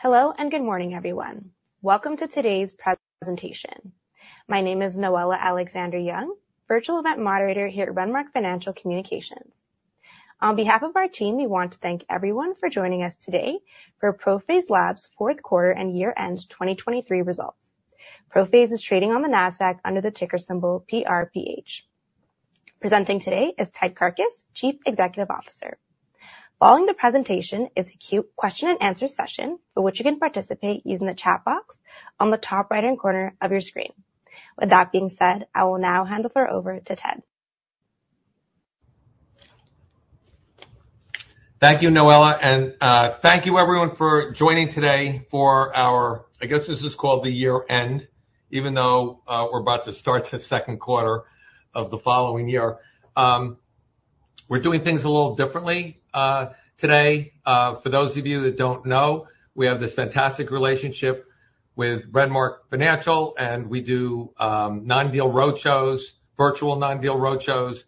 Hello and good morning, everyone. Welcome to today's presentation. My name is Noella Alexander-Young, virtual event moderator here at Renmark Financial Communications. On behalf of our team, we want to thank everyone for joining us today for ProPhase Labs' fourth quarter and year-end 2023 results. ProPhase is trading on the NASDAQ under the ticker symbol PRPH. Presenting today is Ted Karkus, Chief Executive Officer. Following the presentation is a Q&A session for which you can participate using the chat box on the top right-hand corner of your screen. With that being said, I will now hand the floor over to Ted. Thank you, Noella. Thank you, everyone, for joining today for our, I guess this is called the year-end, even though we're about to start the second quarter of the following year. We're doing things a little differently today. For those of you that don't know, we have this fantastic relationship with Renmark Financial, and we do non-deal roadshows, virtual non-deal roadshows,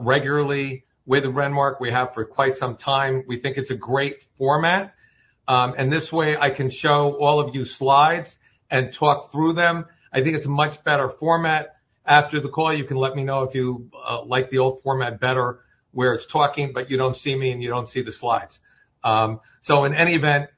regularly with Renmark. We have for quite some time. We think it's a great format. This way, I can show all of you slides and talk through them. I think it's a much better format. After the call, you can let me know if you like the old format better, where it's talking but you don't see me and you don't see the slides. So in any event,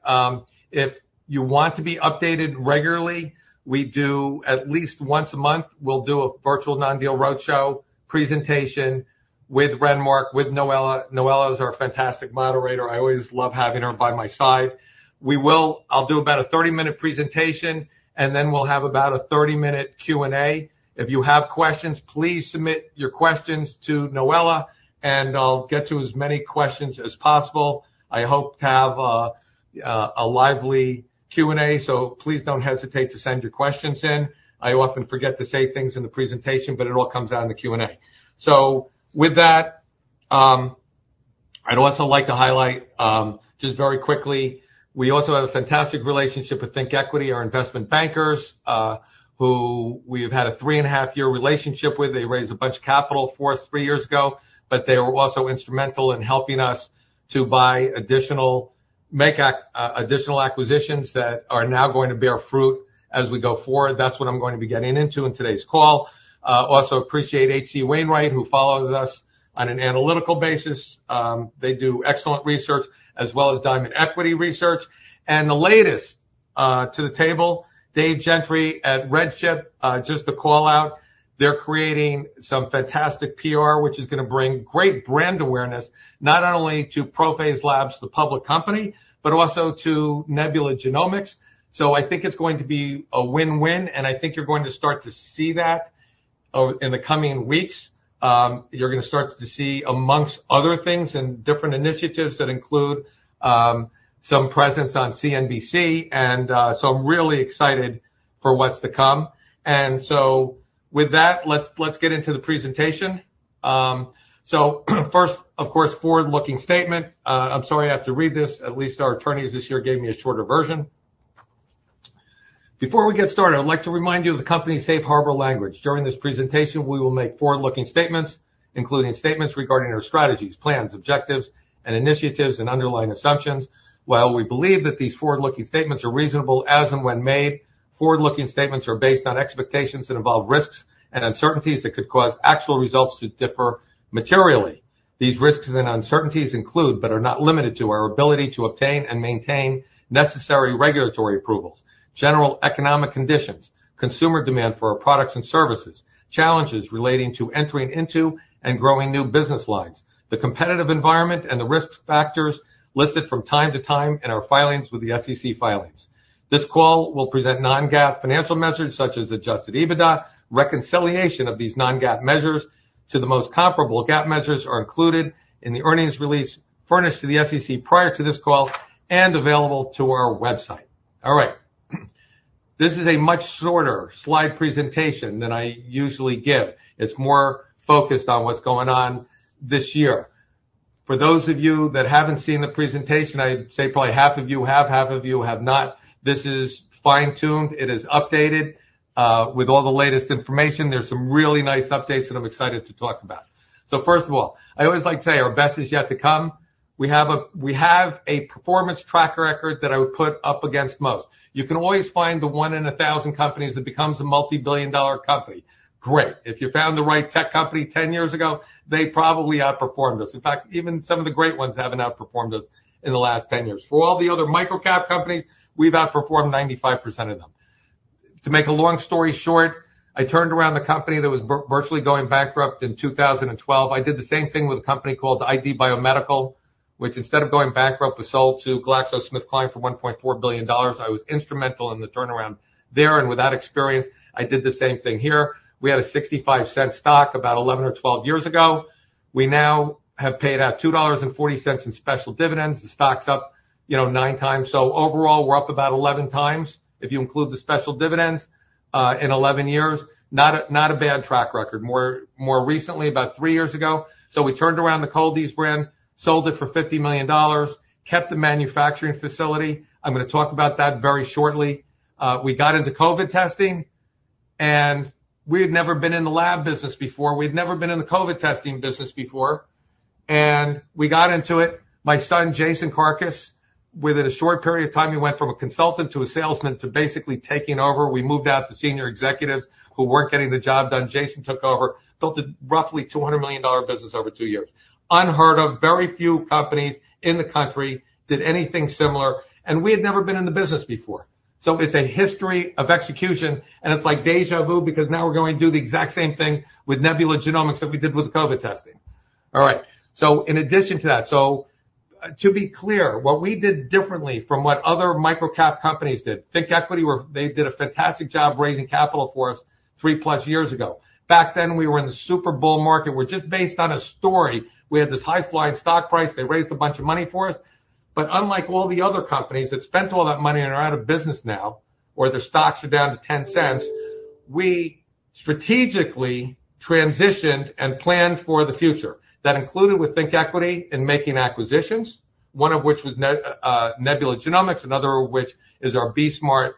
if you want to be updated regularly, we do at least once a month, we'll do a virtual non-deal roadshow presentation with Renmark, with Noella. Noella is our fantastic moderator. I always love having her by my side. I'll do about a 30-minute presentation, and then we'll have about a 30-minute Q&A. If you have questions, please submit your questions to Noella, and I'll get to as many questions as possible. I hope to have a lively Q&A, so please don't hesitate to send your questions in. I often forget to say things in the presentation, but it all comes out in the Q&A. So with that, I'd also like to highlight, just very quickly, we also have a fantastic relationship with ThinkEquity, our investment bankers, who we have had a 3.5-year relationship with. They raised a bunch of capital for us three years ago, but they were also instrumental in helping us to buy additional acquisitions that are now going to bear fruit as we go forward. That's what I'm going to be getting into in today's call. Also, appreciate H.C. Wainwright, who follows us on an analytical basis. They do excellent research, as well as Diamond Equity Research. And the latest to the table, Dave Gentry at RedChip, just to call out, they're creating some fantastic PR, which is going to bring great brand awareness, not only to ProPhase Labs, the public company, but also to Nebula Genomics. So I think it's going to be a win-win, and I think you're going to start to see that in the coming weeks. You're going to start to see, amongst other things, and different initiatives that include some presence on CNBC. And so I'm really excited for what's to come. And so with that, let's get into the presentation. So first, of course, forward-looking statement. I'm sorry I have to read this. At least our attorneys this year gave me a shorter version. Before we get started, I'd like to remind you of the company's safe harbor language. During this presentation, we will make forward-looking statements, including statements regarding our strategies, plans, objectives, and initiatives, and underlying assumptions. While we believe that these forward-looking statements are reasonable as and when made, forward-looking statements are based on expectations that involve risks and uncertainties that could cause actual results to differ materially. These risks and uncertainties include, but are not limited to, our ability to obtain and maintain necessary regulatory approvals, general economic conditions, consumer demand for our products and services, challenges relating to entering into and growing new business lines, the competitive environment, and the risk factors listed from time to time in our filings with the SEC filings. This call will present non-GAAP financial measures, such as adjusted EBITDA. Reconciliation of these non-GAAP measures to the most comparable GAAP measures are included in the earnings release furnished to the SEC prior to this call and available to our website. All right. This is a much shorter slide presentation than I usually give. It's more focused on what's going on this year. For those of you that haven't seen the presentation, I'd say probably half of you have, half of you have not. This is fine-tuned. It is updated with all the latest information. There's some really nice updates that I'm excited to talk about. So first of all, I always like to say, our best is yet to come. We have a performance track record that I would put up against most. You can always find the one in a thousand companies that becomes a multi-billion dollar company. Great. If you found the right tech company 10 years ago, they probably outperformed us. In fact, even some of the great ones haven't outperformed us in the last 10 years. For all the other micro-cap companies, we've outperformed 95% of them. To make a long story short, I turned around the company that was virtually going bankrupt in 2012. I did the same thing with a company called ID Biomedical, which instead of going bankrupt, was sold to GlaxoSmithKline for $1.4 billion. I was instrumental in the turnaround there, and without experience, I did the same thing here. We had a $0.65 stock about 11 or 12 years ago. We now have paid out $2.40 in special dividends. The stock's up nine times. So overall, we're up about 11x, if you include the special dividends, in 11 years. Not a bad track record. More recently, about three years ago, so we turned around the Cold-EEZE brand, sold it for $50 million, kept the manufacturing facility. I'm going to talk about that very shortly. We got into COVID testing, and we had never been in the lab business before. We had never been in the COVID testing business before. And we got into it. My son, Jason Karkus, within a short period of time, he went from a consultant to a salesman to basically taking over. We moved out the senior executives who weren't getting the job done. Jason took over, built a roughly $200 million business over two years. Unheard of. Very few companies in the country did anything similar, and we had never been in the business before. So it's a history of execution, and it's like déjà vu because now we're going to do the exact same thing with Nebula Genomics that we did with the COVID testing. All right. So in addition to that, so to be clear, what we did differently from what other micro-cap companies did, ThinkEquity, they did a fantastic job raising capital for us three-plus years ago. Back then, we were in the super bull market. We're just based on a story. We had this high-flying stock price. They raised a bunch of money for us. But unlike all the other companies that spent all that money and are out of business now, or their stocks are down to $0.10, we strategically transitioned and planned for the future. That included with ThinkEquity in making acquisitions, one of which was Nebula Genomics, another of which is our BE-Smart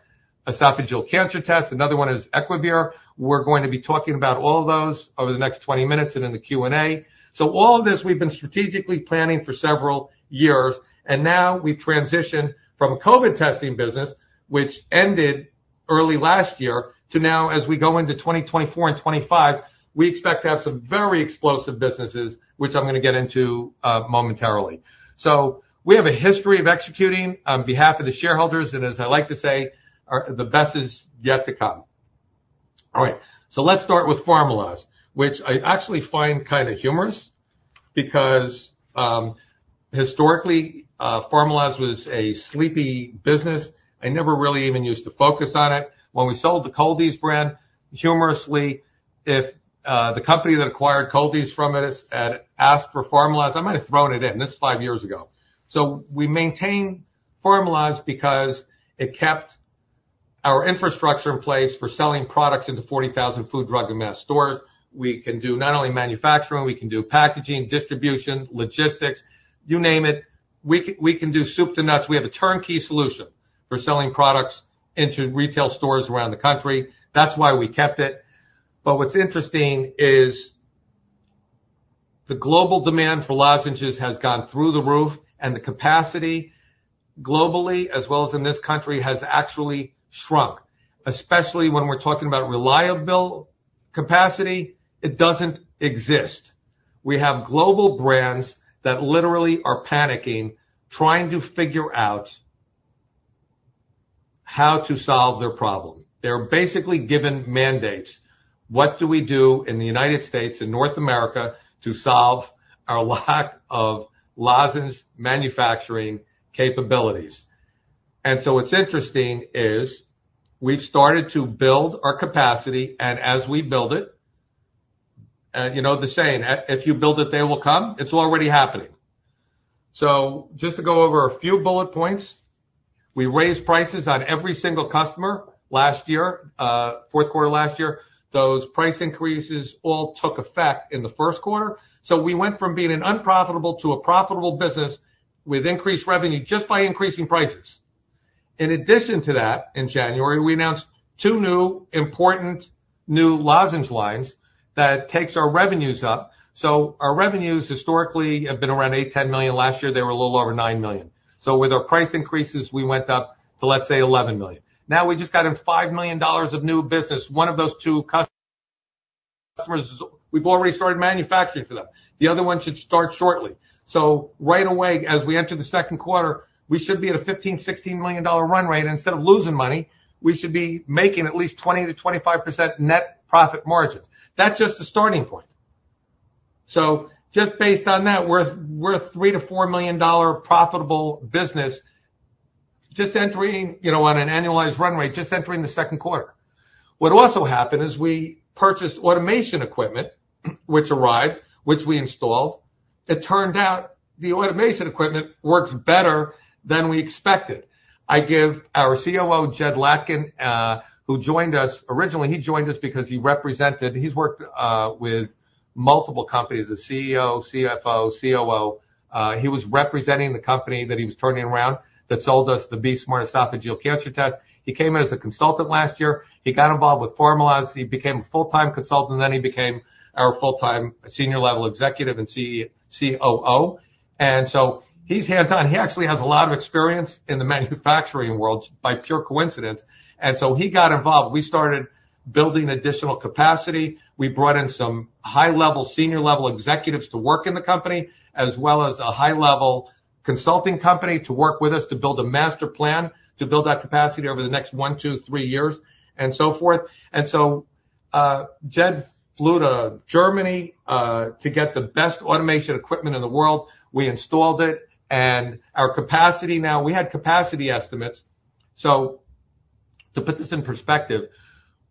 esophageal cancer test, another one is Equivir. We're going to be talking about all of those over the next 20 minutes and in the Q&A. So all of this, we've been strategically planning for several years, and now we've transitioned from a COVID testing business, which ended early last year, to now, as we go into 2024 and 2025, we expect to have some very explosive businesses, which I'm going to get into momentarily. So we have a history of executing on behalf of the shareholders, and as I like to say, the best is yet to come. All right. So let's start with Pharmaloz, which I actually find kind of humorous because historically, Pharmaloz was a sleepy business. I never really even used to focus on it. When we sold the Cold-EEZE brand, humorously, if the company that acquired Cold-EEZE from us had asked for Pharmaloz, I might have thrown it in. This is five years ago. So we maintain Pharmaloz because it kept our infrastructure in place for selling products into 40,000 food, drug, and mass stores. We can do not only manufacturing, we can do packaging, distribution, logistics, you name it. We can do soup to nuts. We have a turnkey solution for selling products into retail stores around the country. That's why we kept it. But what's interesting is the global demand for lozenges has gone through the roof, and the capacity globally, as well as in this country, has actually shrunk, especially when we're talking about reliable capacity. It doesn't exist. We have global brands that literally are panicking, trying to figure out how to solve their problem. They're basically given mandates. What do we do in the United States, in North America, to solve our lack of lozenge manufacturing capabilities? And so what's interesting is we've started to build our capacity, and as we build it, the saying, "If you build it, they will come." It's already happening. So just to go over a few bullet points, we raised prices on every single customer last year, fourth quarter last year. Those price increases all took effect in the first quarter. So we went from being an unprofitable to a profitable business with increased revenue just by increasing prices. In addition to that, in January, we announced two new important new lozenge lines that take our revenues up. So our revenues historically have been around $8 million-$10 million. Last year, they were a little over $9 million. So with our price increases, we went up to, let's say, $11 million. Now we just got in $5 million of new business. One of those two customers, we've already started manufacturing for them. The other one should start shortly. So right away, as we enter the second quarter, we should be at a $15 million-$16 million-dollar run rate. Instead of losing money, we should be making at least 20%-25% net profit margins. That's just the starting point. So just based on that, we're a $3 million-$4 million profitable business just entering on an annualized run rate, just entering the second quarter. What also happened is we purchased automation equipment, which arrived, which we installed. It turned out the automation equipment works better than we expected. I give our COO, Jed Latkin, who joined us originally, he joined us because he represented he's worked with multiple companies, the CEO, CFO, COO. He was representing the company that he was turning around that sold us the BE-Smart esophageal cancer test. He came in as a consultant last year. He got involved with Pharmaloz. He became a full-time consultant, and then he became our full-time senior level executive and COO. And so he's hands-on. He actually has a lot of experience in the manufacturing world by pure coincidence. And so he got involved. We started building additional capacity. We brought in some high-level senior level executives to work in the company, as well as a high-level consulting company to work with us to build a master plan to build that capacity over the next one, two, three years, and so forth. And so Jed flew to Germany to get the best automation equipment in the world. We installed it, and our capacity now we had capacity estimates. So to put this in perspective,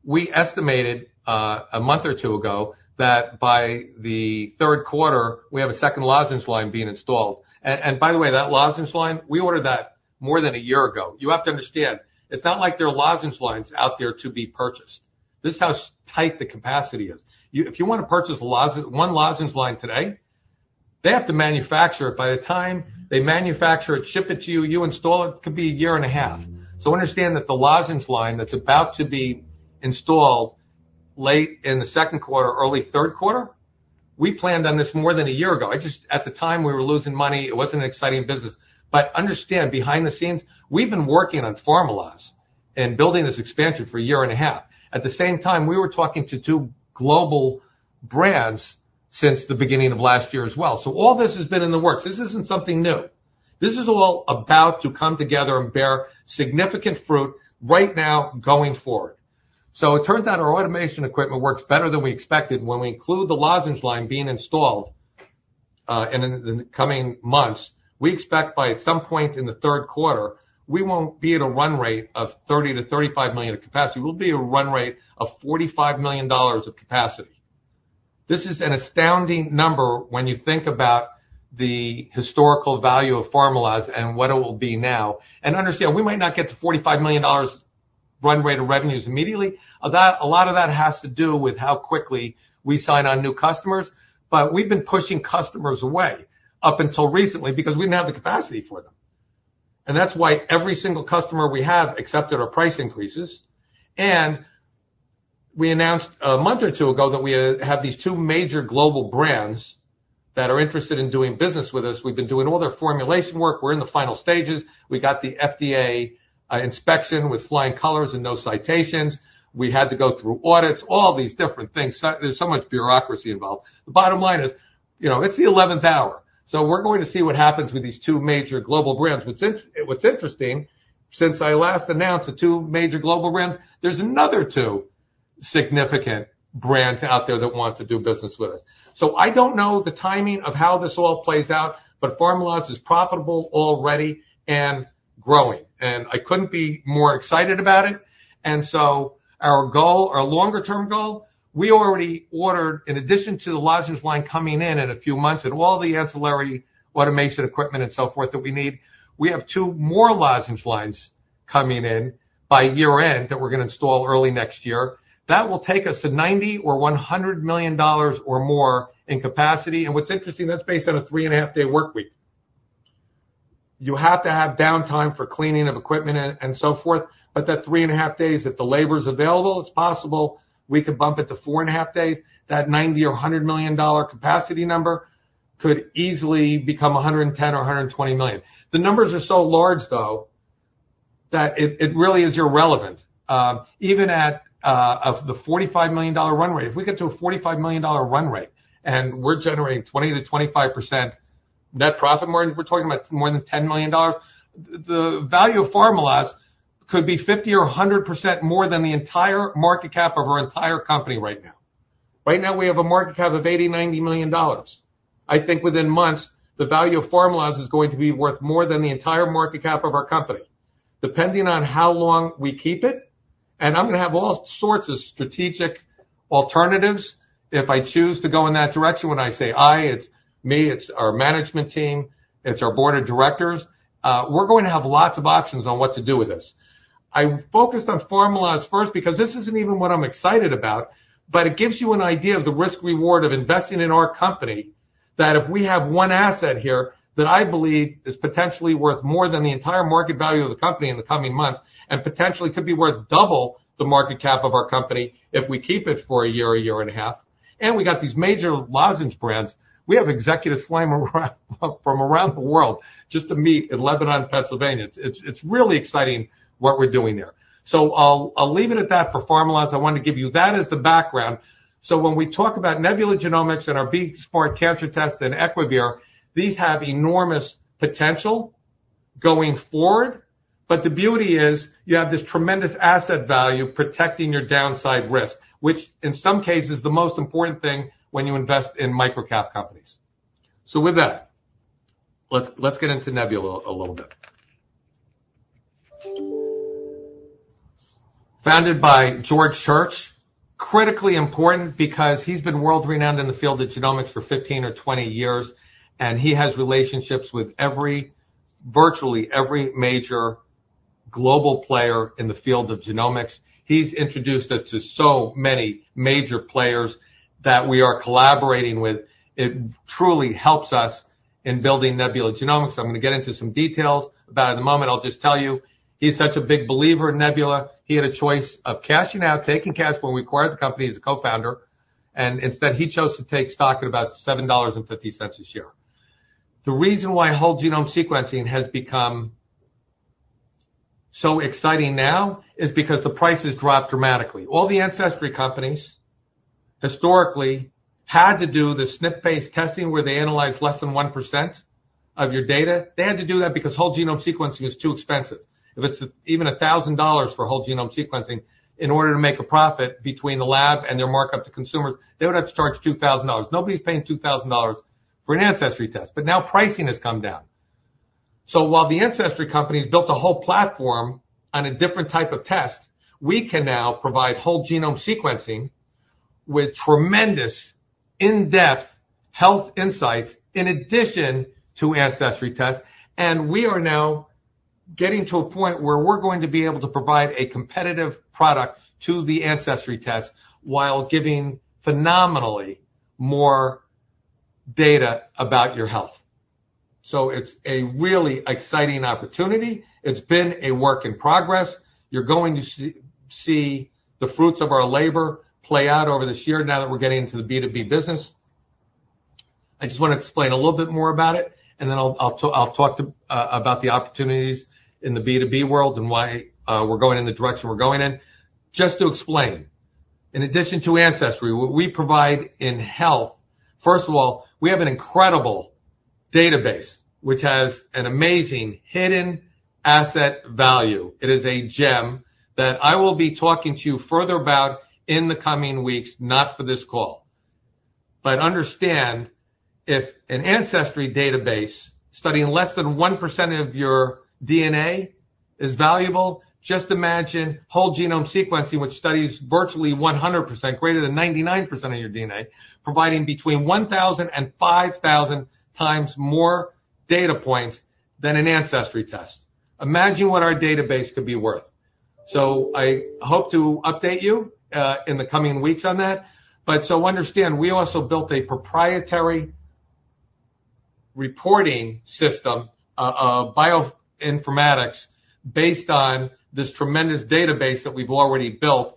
we estimated a month or two ago that by the third quarter, we have a second lozenge line being installed. And by the way, that lozenge line, we ordered that more than a year ago. You have to understand, it's not like there are lozenge lines out there to be purchased. This is how tight the capacity is. If you want to purchase one lozenge line today, they have to manufacture it. By the time they manufacture it, ship it to you, you install it, it could be a year and a half. So understand that the lozenge line that's about to be installed late in the second quarter, early third quarter, we planned on this more than a year ago. At the time, we were losing money. It wasn't an exciting business. But understand, behind the scenes, we've been working on Pharmaloz and building this expansion for a year and a half. At the same time, we were talking to two global brands since the beginning of last year as well. So all this has been in the works. This isn't something new. This is all about to come together and bear significant fruit right now, going forward. So it turns out our automation equipment works better than we expected. When we include the lozenge line being installed in the coming months, we expect by some point in the third quarter we won't be at a run rate of $30 million-$35 million of capacity. We'll be at a run rate of $45 million of capacity. This is an astounding number when you think about the historical value of Pharmaloz and what it will be now. Understand, we might not get to $45 million run rate of revenues immediately. A lot of that has to do with how quickly we sign on new customers. But we've been pushing customers away up until recently because we didn't have the capacity for them. And that's why every single customer we have, except at our price increases, and we announced a month or two ago that we have these two major global brands that are interested in doing business with us. We've been doing all their formulation work. We're in the final stages. We got the FDA inspection with flying colors and no citations. We had to go through audits, all these different things. There's so much bureaucracy involved. The bottom line is it's the 11th hour. So we're going to see what happens with these two major global brands. What's interesting, since I last announced the two major global brands, there's another two significant brands out there that want to do business with us. So I don't know the timing of how this all plays out, but Pharmaloz is profitable already and growing, and I couldn't be more excited about it. So our goal, our longer-term goal, we already ordered, in addition to the lozenge line coming in in a few months and all the ancillary automation equipment and so forth that we need, we have two more lozenge lines coming in by year-end that we're going to install early next year. That will take us to $90 million or $100 million or more in capacity. And what's interesting, that's based on a three and a half day workweek. You have to have downtime for cleaning of equipment and so forth. But that three and a half days, if the labor is available, it's possible we could bump it to four and a half days. That $90 million or $100 million capacity number could easily become $110 million or $120 million. The numbers are so large, though, that it really is irrelevant. Even at the $45 million run rate, if we get to a $45 million run rate and we're generating 20%-25% net profit margin, we're talking about more than $10 million. The value of Pharmaloz could be 50% or 100% more than the entire market cap of our entire company right now. Right now, we have a market cap of $80 million-$90 million. I think within months, the value of Pharmaloz is going to be worth more than the entire market cap of our company, depending on how long we keep it. I'm going to have all sorts of strategic alternatives if I choose to go in that direction. When I say I, it's me, it's our management team, it's our board of directors. We're going to have lots of options on what to do with this. I focused on Pharmaloz first because this isn't even what I'm excited about, but it gives you an idea of the risk-reward of investing in our company that if we have one asset here that I believe is potentially worth more than the entire market value of the company in the coming months and potentially could be worth double the market cap of our company if we keep it for a year or a year and a half. We got these major lozenge brands. We have executives flying from around the world just to meet in Lebanon, Pennsylvania. It's really exciting what we're doing there. I'll leave it at that for Pharmaloz. I wanted to give you that as the background. When we talk about Nebula Genomics and our BE-Smart cancer test and Equivir, these have enormous potential going forward. But the beauty is you have this tremendous asset value protecting your downside risk, which in some cases is the most important thing when you invest in micro-cap companies. So with that, let's get into Nebula a little bit. Founded by George Church, critically important because he's been world-renowned in the field of genomics for 15 years or 20 years, and he has relationships with virtually every major global player in the field of genomics. He's introduced us to so many major players that we are collaborating with. It truly helps us in building Nebula Genomics. I'm going to get into some details about it at the moment. I'll just tell you, he's such a big believer in Nebula. He had a choice of cashing out, taking cash when we acquired the company as a co-founder, and instead, he chose to take stock at about $7.50 a share. The reason why whole genome sequencing has become so exciting now is because the prices dropped dramatically. All the ancestry companies historically had to do the SNP-based testing where they analyzed less than 1% of your data. They had to do that because whole genome sequencing was too expensive. If it's even $1,000 for whole genome sequencing in order to make a profit between the lab and their markup to consumers, they would have to charge $2,000. Nobody's paying $2,000 for an ancestry test, but now pricing has come down. So while the ancestry companies built a whole platform on a different type of test, we can now provide whole genome sequencing with tremendous in-depth health insights in addition to ancestry tests. And we are now getting to a point where we're going to be able to provide a competitive product to the ancestry tests while giving phenomenally more data about your health. So it's a really exciting opportunity. It's been a work in progress. You're going to see the fruits of our labor play out over this year now that we're getting into the B2B business. I just want to explain a little bit more about it, and then I'll talk about the opportunities in the B2B world and why we're going in the direction we're going in. Just to explain, in addition to ancestry, what we provide in health, first of all, we have an incredible database which has an amazing hidden asset value. It is a gem that I will be talking to you further about in the coming weeks, not for this call. But understand, if an ancestry database studying less than 1% of your DNA is valuable, just imagine whole genome sequencing, which studies virtually 100%, greater than 99% of your DNA, providing between 1,000 and 5,000 times more data points than an ancestry test. Imagine what our database could be worth. So I hope to update you in the coming weeks on that. But so understand, we also built a proprietary reporting system, bioinformatics, based on this tremendous database that we've already built.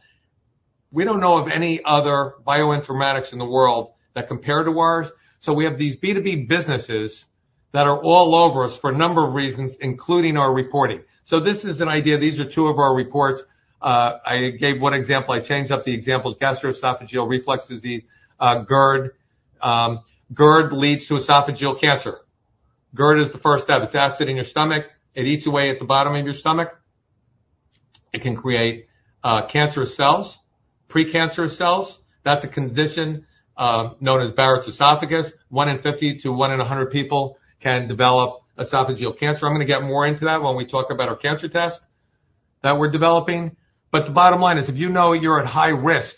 We don't know of any other bioinformatics in the world that compare to ours. So we have these B2B businesses that are all over us for a number of reasons, including our reporting. So this is an idea. These are two of our reports. I gave one example. I changed up the examples: gastroesophageal reflux disease, GERD. GERD leads to esophageal cancer. GERD is the first step. It's acid in your stomach. It eats away at the bottom of your stomach. It can create cancerous cells, precancerous cells. That's a condition known as Barrett's esophagus. one in 50 to one in 100 people can develop esophageal cancer. I'm going to get more into that when we talk about our cancer test that we're developing. But the bottom line is, if you know you're at high risk,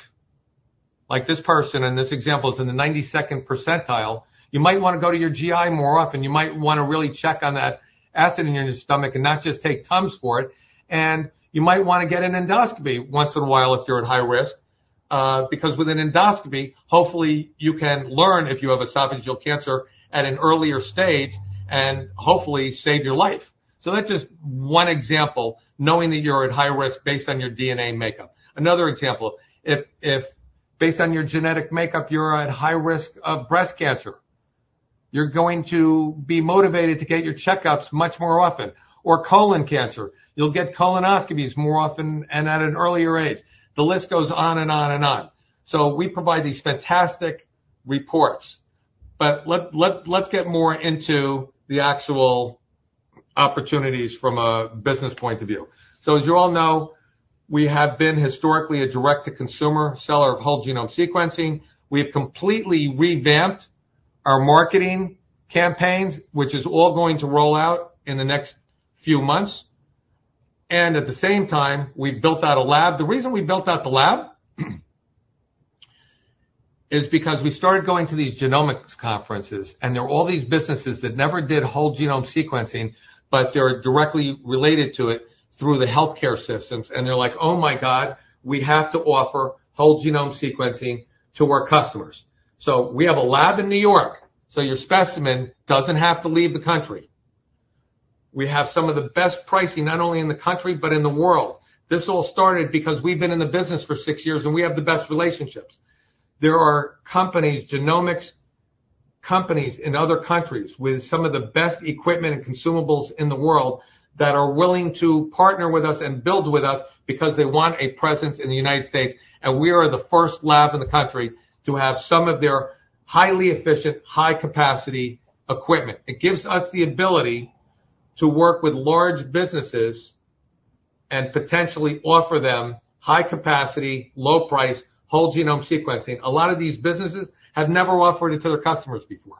like this person in this example is in the 92nd percentile, you might want to go to your GI more often. You might want to really check on that acid in your stomach and not just take Tums for it. You might want to get an endoscopy once in a while if you're at high risk because with an endoscopy, hopefully, you can learn if you have esophageal cancer at an earlier stage and hopefully save your life. So that's just one example, knowing that you're at high risk based on your DNA makeup. Another example, if based on your genetic makeup, you're at high risk of breast cancer, you're going to be motivated to get your checkups much more often. Or colon cancer, you'll get colonoscopies more often and at an earlier age. The list goes on and on and on. We provide these fantastic reports. But let's get more into the actual opportunities from a business point of view. As you all know, we have been historically a direct-to-consumer seller of whole genome sequencing. We have completely revamped our marketing campaigns, which is all going to roll out in the next few months. At the same time, we've built out a lab. The reason we built out the lab is because we started going to these genomics conferences, and there are all these businesses that never did whole genome sequencing, but they're directly related to it through the healthcare systems. They're like, "Oh my God, we have to offer whole genome sequencing to our customers." We have a lab in New York, so your specimen doesn't have to leave the country. We have some of the best pricing, not only in the country but in the world. This all started because we've been in the business for six years, and we have the best relationships. There are genomics companies in other countries with some of the best equipment and consumables in the world that are willing to partner with us and build with us because they want a presence in the United States. We are the first lab in the country to have some of their highly efficient, high-capacity equipment. It gives us the ability to work with large businesses and potentially offer them high-capacity, low-price whole genome sequencing. A lot of these businesses have never offered it to their customers before.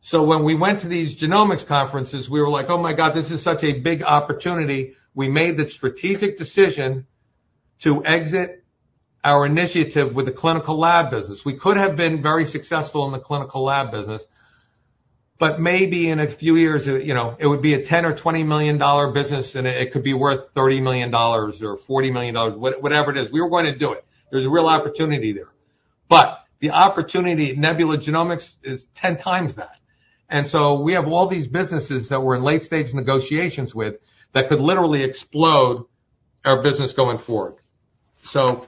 So when we went to these genomics conferences, we were like, "Oh my God, this is such a big opportunity." We made the strategic decision to exit our initiative with the clinical lab business. We could have been very successful in the clinical lab business. But maybe in a few years, it would be a $10 million or $20 million business, and it could be worth $30 million or $40 million, whatever it is. We were going to do it. There's a real opportunity there. But the opportunity at Nebula Genomics is 10x that. And so we have all these businesses that we're in late-stage negotiations with that could literally explode our business going forward. So.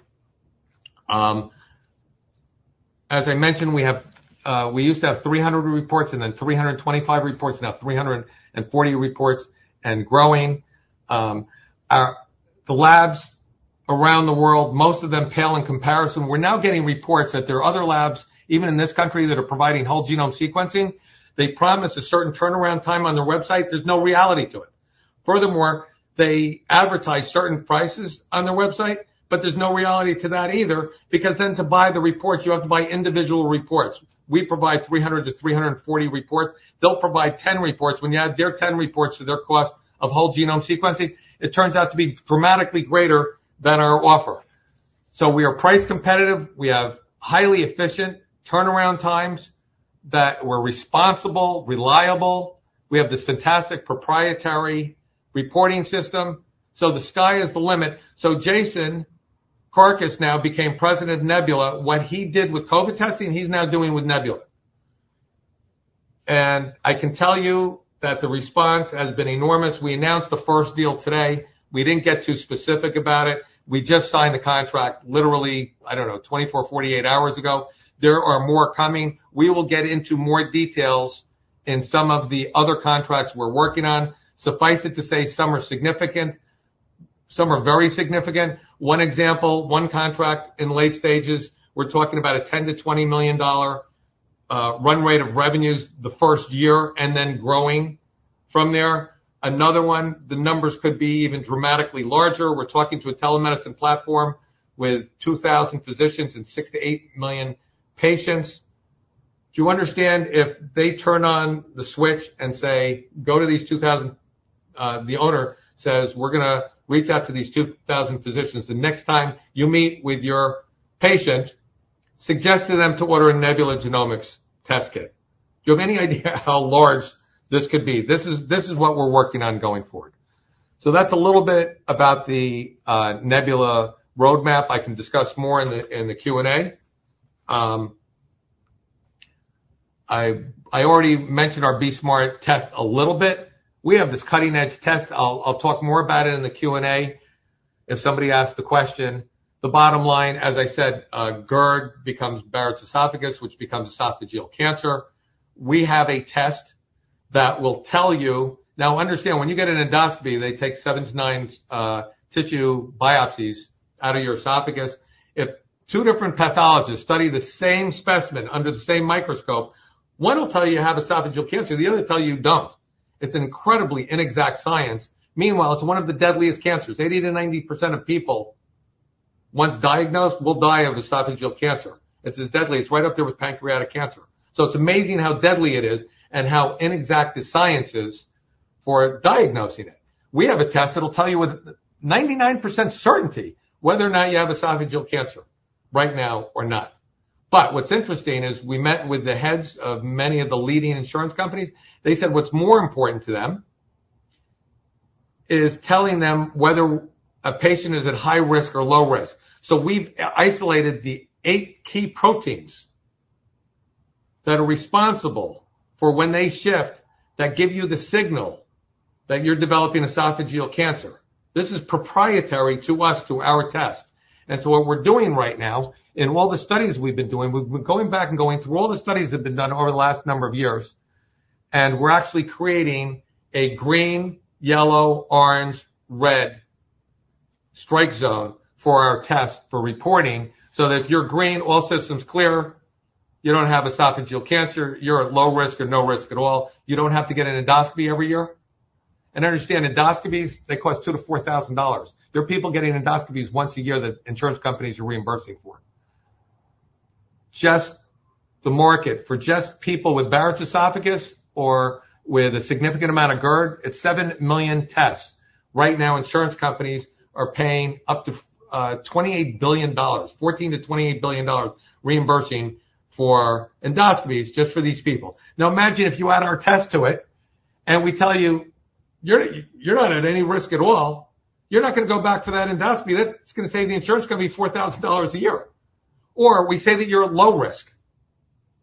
As I mentioned, we used to have 300 reports and then 325 reports, now 340 reports and growing. The labs around the world, most of them pale in comparison. We're now getting reports that there are other labs, even in this country, that are providing whole genome sequencing. They promise a certain turnaround time on their website. There's no reality to it. Furthermore, they advertise certain prices on their website, but there's no reality to that either because then to buy the reports, you have to buy individual reports. We provide 300-340 reports. They'll provide 10 reports. When you add their 10 reports to their cost of whole genome sequencing, it turns out to be dramatically greater than our offer. So we are price competitive. We have highly efficient turnaround times that we're responsible, reliable. We have this fantastic proprietary reporting system. So the sky is the limit. So Jason Karkus now became president of Nebula. What he did with COVID testing, he's now doing with Nebula. And I can tell you that the response has been enormous. We announced the first deal today. We didn't get too specific about it. We just signed the contract literally, I don't know, 24 hours-48 hours ago. There are more coming. We will get into more details in some of the other contracts we're working on. Suffice it to say some are significant. Some are very significant. One example, one contract in late stages, we're talking about a $10 million-$20 million run rate of revenues the first year and then growing from there. Another one, the numbers could be even dramatically larger. We're talking to a telemedicine platform with 2,000 physicians and 6 million-8 million patients. Do you understand if they turn on the switch and say, "Go to these 2,000"? The owner says, "We're going to reach out to these 2,000 physicians." The next time you meet with your patient, suggest to them to order a Nebula Genomics test kit. Do you have any idea how large this could be? This is what we're working on going forward. So that's a little bit about the Nebula roadmap. I can discuss more in the Q&A. I already mentioned our BE-Smart test a little bit. We have this cutting-edge test. I'll talk more about it in the Q&A if somebody asks the question. The bottom line, as I said, GERD becomes Barrett's esophagus, which becomes esophageal cancer. We have a test that will tell you, now understand, when you get an endoscopy, they take seven to nine tissue biopsies out of your esophagus. If two different pathologists study the same specimen under the same microscope, one will tell you you have esophageal cancer. The other will tell you you don't. It's an incredibly inexact science. Meanwhile, it's one of the deadliest cancers. 80%-90% of people, once diagnosed, will die of esophageal cancer. It's as deadly. It's right up there with pancreatic cancer. It's amazing how deadly it is and how inexact the science is for diagnosing it. We have a test that will tell you with 99% certainty whether or not you have esophageal cancer right now or not. What's interesting is we met with the heads of many of the leading insurance companies. They said what's more important to them is telling them whether a patient is at high risk or low risk. We've isolated the eight key proteins that are responsible for when they shift that give you the signal that you're developing esophageal cancer. This is proprietary to us, to our test. What we're doing right now, in all the studies we've been doing, we've been going back and going through all the studies that have been done over the last number of years. And we're actually creating a green, yellow, orange, red strike zone for our test for reporting so that if you're green, all systems clear, you don't have esophageal cancer, you're at low risk or no risk at all. You don't have to get an endoscopy every year. And understand endoscopies, they cost $2,000-$4,000. There are people getting endoscopies once a year that insurance companies are reimbursing for. Just the market for just people with Barrett's esophagus or with a significant amount of GERD, it's seven million tests. Right now, insurance companies are paying up to $28 billion, $14 billion-$28 billion dollars reimbursing for endoscopies just for these people. Now imagine if you add our test to it and we tell you you're not at any risk at all, you're not going to go back for that endoscopy. That's going to save the insurance company $4,000 a year. Or we say that you're at low risk.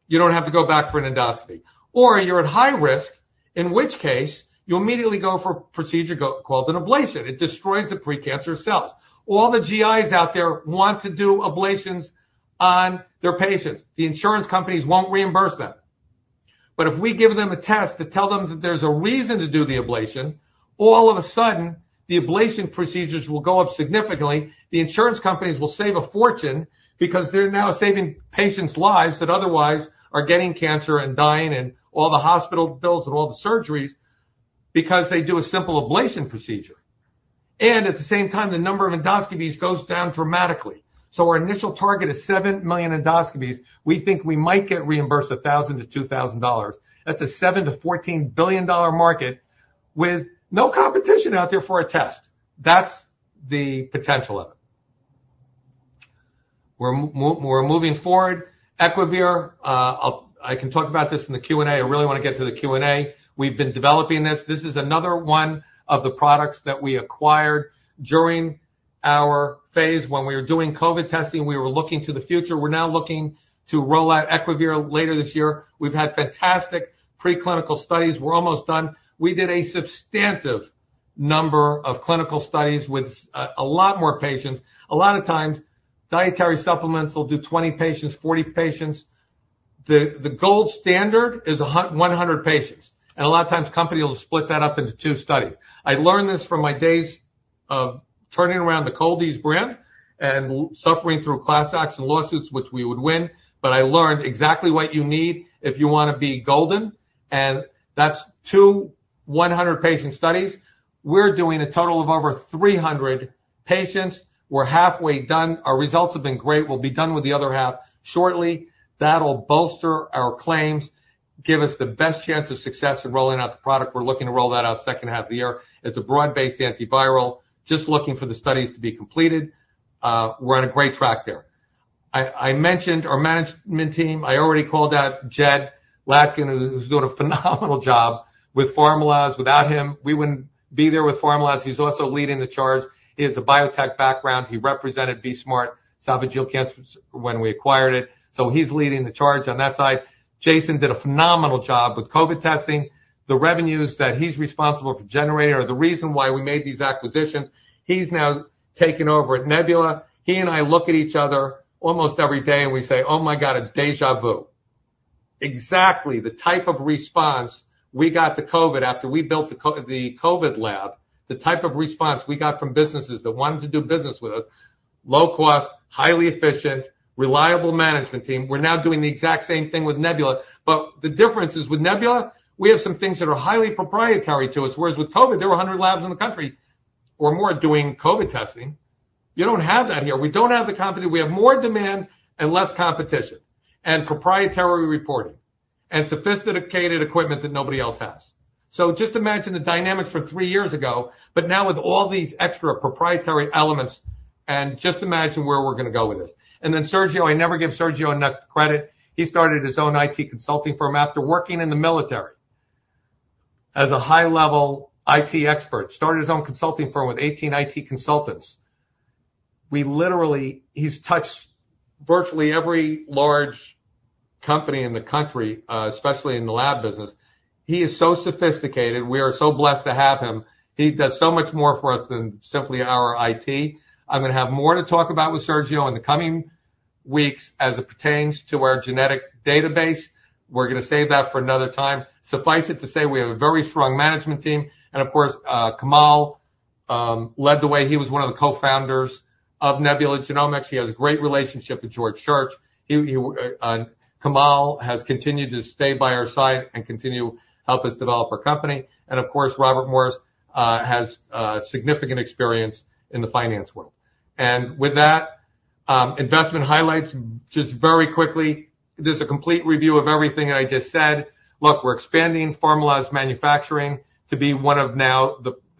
You don't have to go back for an endoscopy or you're at high risk, in which case you immediately go for a procedure called an ablation. It destroys the precancerous cells. All the GIs out there want to do ablations on their patients. The insurance companies won't reimburse them. But if we give them a test to tell them that there's a reason to do the ablation, all of a sudden the ablation procedures will go up significantly. The insurance companies will save a fortune because they're now saving patients' lives that otherwise are getting cancer and dying and all the hospital bills and all the surgeries because they do a simple ablation procedure. At the same time, the number of endoscopies goes down dramatically. So our initial target is seven million endoscopies. We think we might get reimbursed $1,000-$2,000. That's a $7 billion-$14 billion market with no competition out there for a test. That's the potential of it. We're moving forward. Equivir, I can talk about this in the Q&A. I really want to get to the Q&A. We've been developing this. This is another one of the products that we acquired during our phase when we were doing COVID testing. We were looking to the future. We're now looking to roll out Equivir later this year. We've had fantastic preclinical studies. We're almost done. We did a substantive number of clinical studies with a lot more patients. A lot of times, dietary supplements will do 20 patients, 40 patients. The gold standard is 100 patients, and a lot of times companies will split that up into two studies. I learned this from my days of turning around the Cold-EEZE brand and suffering through class action lawsuits, which we would win. But I learned exactly what you need if you want to be golden, and that's two 100-patient studies. We're doing a total of over 300 patients. We're halfway done. Our results have been great. We'll be done with the other half shortly. That'll bolster our claims, give us the best chance of success in rolling out the product. We're looking to roll that out second half of the year. It's a broad-based antiviral, just looking for the studies to be completed. We're on a great track there. I mentioned our management team. I already called out Jed Latkin, who's doing a phenomenal job with Pharmaloz. Without him, we wouldn't be there with Pharmaloz. He's also leading the charge. He has a biotech background. He represented BE-Smart esophageal cancers when we acquired it, so he's leading the charge on that side. Jason did a phenomenal job with COVID testing. The revenues that he's responsible for generating are the reason why we made these acquisitions. He's now taken over at Nebula. He and I look at each other almost every day and we say, "Oh my God, it's déjà vu." Exactly the type of response we got to COVID after we built the COVID lab, the type of response we got from businesses that wanted to do business with us, low cost, highly efficient, reliable management team. We're now doing the exact same thing with Nebula, but the difference is with Nebula, we have some things that are highly proprietary to us, whereas with COVID, there were 100 labs in the country or more doing COVID testing. You don't have that here. We don't have the company. We have more demand and less competition and proprietary reporting and sophisticated equipment that nobody else has. So just imagine the dynamics from three years ago, but now with all these extra proprietary elements. And just imagine where we're going to go with this. And then Sergio, I never give Sergio enough credit. He started his own IT consulting firm after working in the military. As a high-level IT expert, started his own consulting firm with 18 IT consultants. We literally, he's touched virtually every large company in the country, especially in the lab business. He is so sophisticated. We are so blessed to have him. He does so much more for us than simply our IT. I'm going to have more to talk about with Sergio in the coming weeks as it pertains to our genetic database. We're going to save that for another time. Suffice it to say, we have a very strong management team. Of course, Kamal led the way. He was one of the co-founders of Nebula Genomics. He has a great relationship with George Church. Kamal has continued to stay by our side and continue to help us develop our company. Of course, Robert Morris has significant experience in the finance world. With that, investment highlights just very quickly, there's a complete review of everything that I just said. Look, we're expanding Pharmaloz manufacturing to be one of now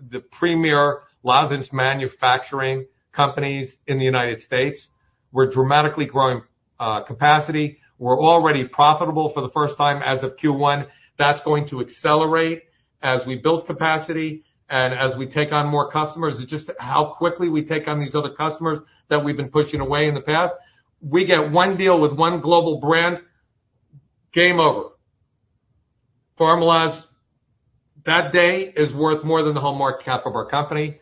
the premier lozenge manufacturing companies in the United States. We're dramatically growing capacity. We're already profitable for the first time as of Q1. That's going to accelerate as we build capacity and as we take on more customers. It's just how quickly we take on these other customers that we've been pushing away in the past. We get one deal with one global brand. Game over. Pharmaloz that day is worth more than the whole market cap of our company.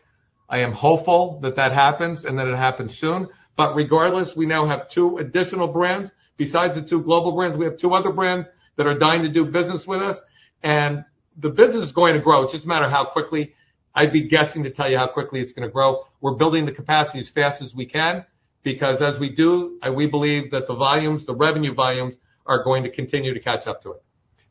I am hopeful that that happens and that it happens soon. But regardless, we now have two additional brands. Besides the two global brands, we have two other brands that are dying to do business with us, and the business is going to grow. It's just a matter of how quickly I'd be guessing to tell you how quickly it's going to grow. We're building the capacity as fast as we can because as we do, we believe that the volumes, the revenue volumes are going to continue to catch up to it.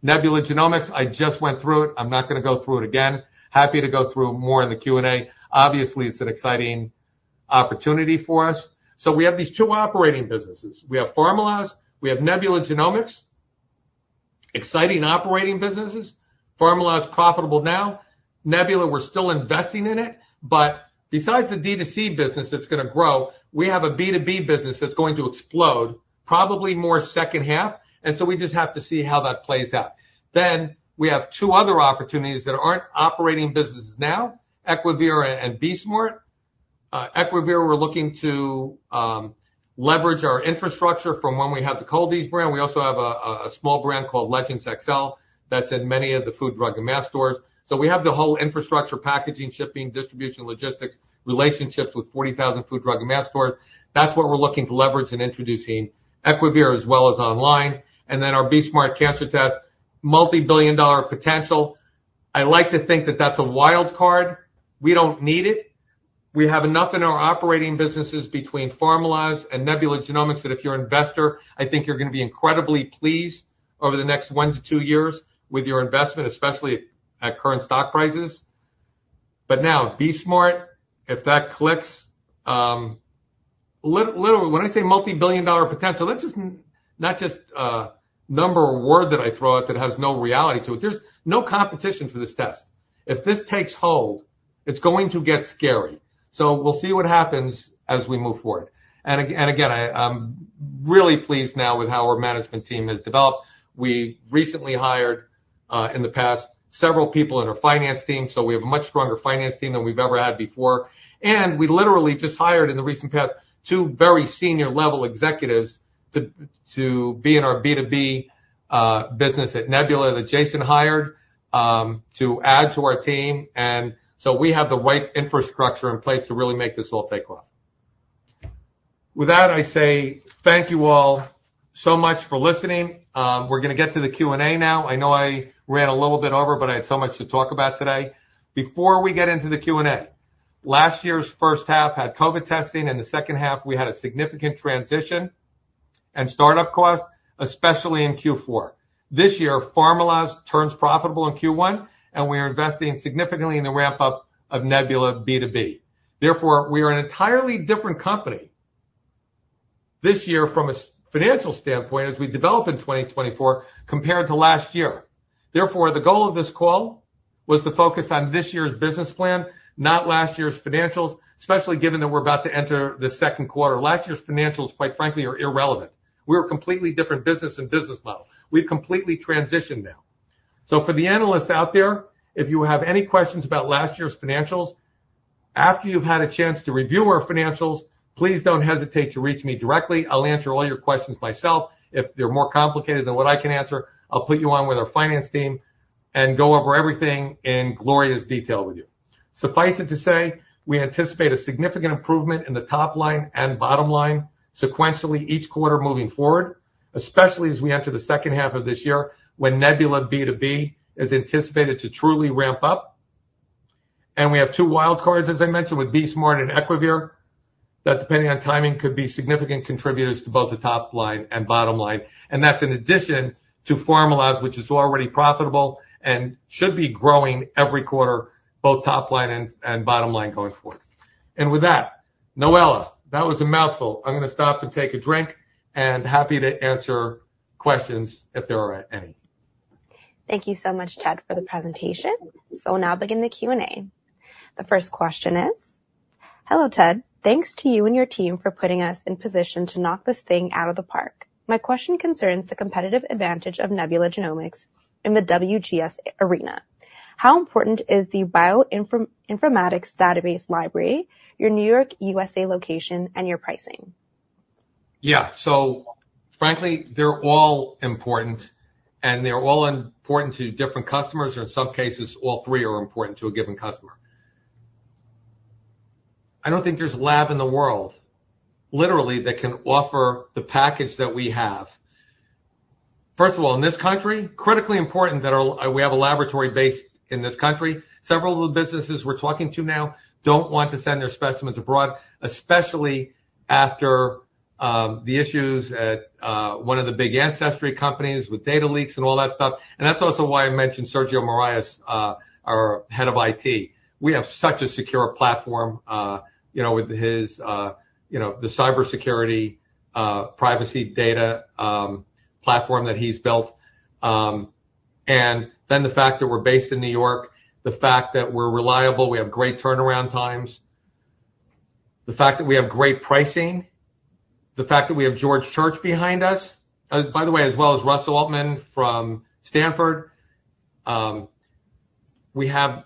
Nebula Genomics, I just went through it. I'm not going to go through it again. Happy to go through more in the Q&A. Obviously, it's an exciting opportunity for us. So we have these two operating businesses. We have Pharmaloz. We have Nebula Genomics. Exciting operating businesses. Pharmaloz profitable now. Nebula, we're still investing in it, but besides the D2C business that's going to grow, we have a B2B business that's going to explode, probably more second half. And so we just have to see how that plays out. Then we have two other opportunities that aren't operating businesses now: Equivir and BE-Smart. Equivir, we're looking to leverage our infrastructure from when we had the Cold-EEZE brand. We also have a small brand called Legendz XL that's in many of the food, drug, and mass stores. So we have the whole infrastructure, packaging, shipping, distribution, logistics, relationships with 40,000 food, drug, and mass stores. That's what we're looking to leverage and introducing Equivir as well as online. And then our BE-Smart cancer test, multibillion-dollar potential. I like to think that that's a wild card. We don't need it. We have enough in our operating businesses between Pharmaloz and Nebula Genomics that if you're an investor, I think you're going to be incredibly pleased over the next one to two years with your investment, especially at current stock prices. But now BE-Smart, if that clicks. When I say multibillion-dollar potential, that's just not just a number or word that I throw out that has no reality to it. There's no competition for this test. If this takes hold, it's going to get scary. So we'll see what happens as we move forward. And again, I'm really pleased now with how our management team has developed. We recently hired in the past several people in our finance team, so we have a much stronger finance team than we've ever had before. And we literally just hired in the recent past two very senior level executives to be in our B2B business at Nebula that Jason hired to add to our team. And so we have the right infrastructure in place to really make this all take off. With that, I say thank you all so much for listening. We're going to get to the Q&A now. I know I ran a little bit over, but I had so much to talk about today. Before we get into the Q&A, last year's first half had COVID testing, and the second half we had a significant transition and startup costs, especially in Q4. This year, Pharmaloz turns profitable in Q1, and we are investing significantly in the ramp-up of Nebula B2B. Therefore, we are an entirely different company. This year, from a financial standpoint, as we develop in 2024 compared to last year. Therefore, the goal of this call was to focus on this year's business plan, not last year's financials, especially given that we're about to enter the second quarter. Last year's financials, quite frankly, are irrelevant. We were a completely different business and business model. We've completely transitioned now. So for the analysts out there, if you have any questions about last year's financials, after you've had a chance to review our financials, please don't hesitate to reach me directly. I'll answer all your questions myself. If they're more complicated than what I can answer, I'll put you on with our finance team and go over everything in glorious detail with you. Suffice it to say, we anticipate a significant improvement in the top line and bottom line sequentially each quarter moving forward, especially as we enter the second half of this year when Nebula B2B is anticipated to truly ramp up. And we have two wild cards, as I mentioned, with BE-Smart and Equivir that, depending on timing, could be significant contributors to both the top line and bottom line. And that's in addition to Pharmaloz, which is already profitable and should be growing every quarter, both top line and bottom line going forward. And with that, Noella, that was a mouthful. I'm going to stop and take a drink and happy to answer questions if there are any. Thank you so much, Ted, for the presentation. So now begin the Q&A. The first question is, "Hello Ted, thanks to you and your team for putting us in position to knock this thing out of the park. My question concerns the competitive advantage of Nebula Genomics in the WGS arena. How important is the Bioinformatics Database Library, your New York, USA location, and your pricing? Yeah, so frankly, they're all important, and they're all important to different customers, or in some cases, all three are important to a given customer. I don't think there's a lab in the world, literally, that can offer the package that we have. First of all, in this country, critically important that we have a laboratory based in this country. Several of the businesses we're talking to now don't want to send their specimens abroad, especially after the issues at one of the big ancestry companies with data leaks and all that stuff. And that's also why I mentioned Sergio Miralles, our head of IT. We have such a secure platform with the cybersecurity, privacy data platform that he's built. And then the fact that we're based in New York, the fact that we're reliable, we have great turnaround times. The fact that we have great pricing. The fact that we have George Church behind us, by the way, as well as Russell Altman from Stanford. We have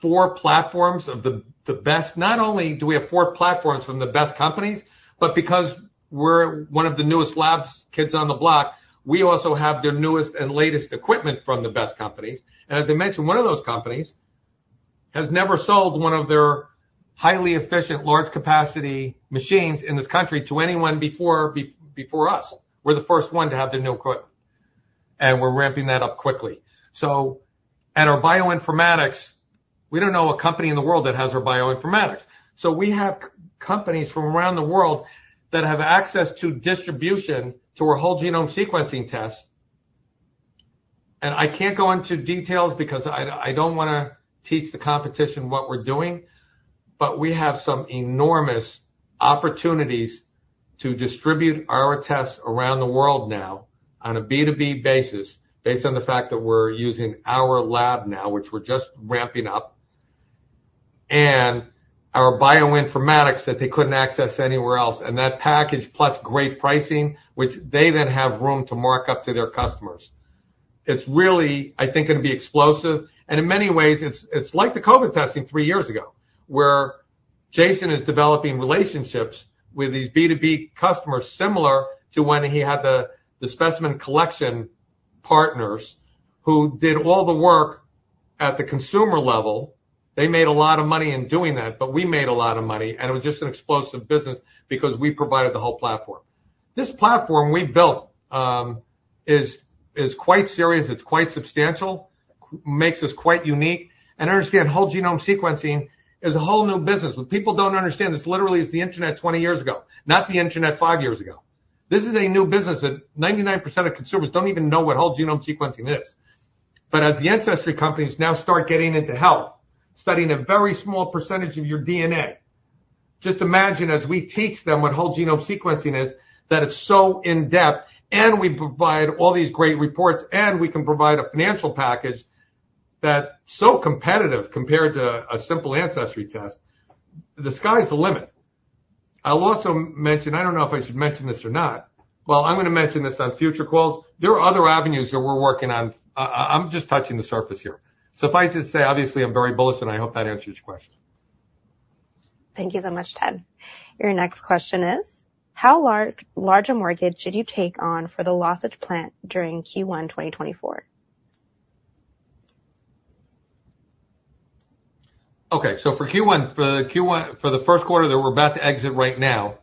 four platforms of the best. Not only do we have four platforms from the best companies, but because we're one of the newest labs kids on the block, we also have their newest and latest equipment from the best companies. As I mentioned, one of those companies has never sold one of their highly efficient, large capacity machines in this country to anyone before us. We're the first one to have the new equipment, and we're ramping that up quickly. At our bioinformatics, we don't know a company in the world that has our bioinformatics. We have companies from around the world that have access to distribution to our whole genome sequencing tests. I can't go into details because I don't want to teach the competition what we're doing, but we have some enormous opportunities to distribute our tests around the world now on a B2B basis, based on the fact that we're using our lab now, which we're just ramping up. And our bioinformatics that they couldn't access anywhere else, and that package plus great pricing, which they then have room to mark up to their customers. It's really, I think, going to be explosive. In many ways, it's like the COVID testing three years ago where Jason is developing relationships with these B2B customers similar to when he had the specimen collection partners who did all the work at the consumer level. They made a lot of money in doing that, but we made a lot of money, and it was just an explosive business because we provided the whole platform. This platform we built is quite serious. It's quite substantial, makes us quite unique, and understand whole genome sequencing is a whole new business. When people don't understand, this literally is the Internet 20 years ago, not the Internet five years ago. This is a new business that 99% of consumers don't even know what whole genome sequencing is. But as the ancestry companies now start getting into health, studying a very small percentage of your DNA. Just imagine as we teach them what whole genome sequencing is, that it's so in-depth, and we provide all these great reports, and we can provide a financial package that's so competitive compared to a simple ancestry test. The sky's the limit. I'll also mention, I don't know if I should mention this or not. Well, I'm going to mention this on future calls. There are other avenues that we're working on. I'm just touching the surface here. Suffice it to say, obviously, I'm very bullish, and I hope that answers your question. Thank you so much, Ted. Your next question is, "How large a mortgage should you take on for the lozenge plant during Q1 2024? Okay, so for Q1, for the first quarter that we're about to exit right now.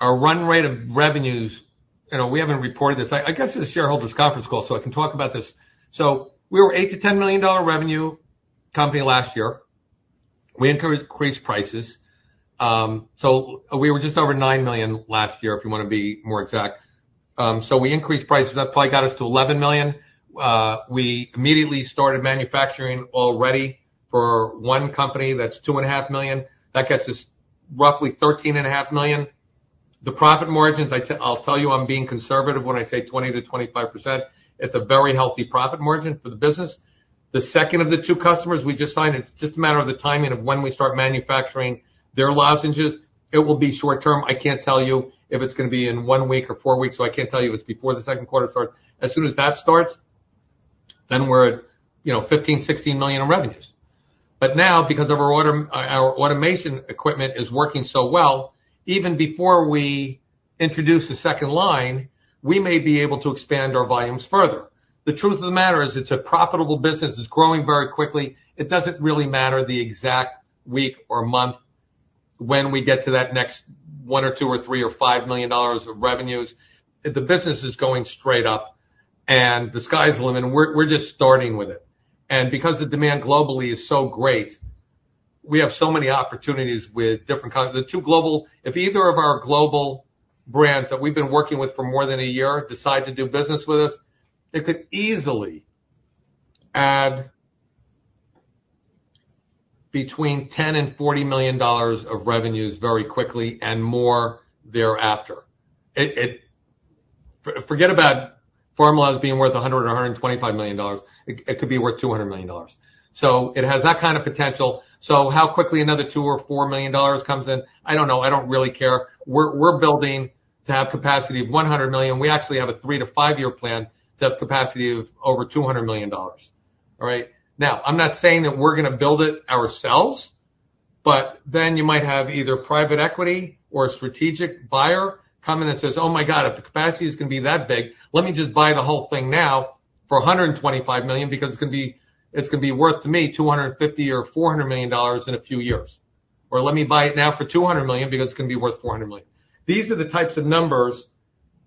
Our run rate of revenues, we haven't reported this. I guess it's a shareholders' conference call, so I can talk about this. So we were a $8 million-$10 million revenue company last year. We increased prices. So we were just over $9 million last year if you want to be more exact. So we increased prices. That probably got us to $11 million. We immediately started manufacturing already for one company that's $2.5 million. That gets us roughly $13.5 million. The profit margins, I'll tell you, I'm being conservative when I say 20%-25%. It's a very healthy profit margin for the business. The second of the two customers we just signed, it's just a matter of the timing of when we start manufacturing their lozenges. It will be short term. I can't tell you if it's going to be in one week or four weeks, so I can't tell you if it's before the second quarter starts. As soon as that starts, then we're at $15 million-$16 million in revenues. But now, because of our automation equipment is working so well, even before we introduce the second line, we may be able to expand our volumes further. The truth of the matter is it's a profitable business. It's growing very quickly. It doesn't really matter the exact week or month when we get to that next $1 or $2 or $3 or $5 million dollars of revenues. The business is going straight up, and the sky's the limit, and we're just starting with it. And because the demand globally is so great, we have so many opportunities with different kinds of the two global. If either of our global brands that we've been working with for more than a year decide to do business with us, it could easily add between $10 million and $40 million of revenues very quickly and more thereafter. Forget about Pharmaloz being worth $100 million or $125 million. It could be worth $200 million. So it has that kind of potential. So how quickly another $2 million or $4 million comes in, I don't know. I don't really care. We're building to have capacity of $100 million. We actually have a three to five year plan to have capacity of over $200 million. All right, now I'm not saying that we're going to build it ourselves, but then you might have either private equity or a strategic buyer come in and says, "Oh my God, if the capacity is going to be that big, let me just buy the whole thing now for $125 million because it's going to be worth to me $250 million or $400 million in a few years," or "Let me buy it now for $200 million because it's going to be worth $400 million." These are the types of numbers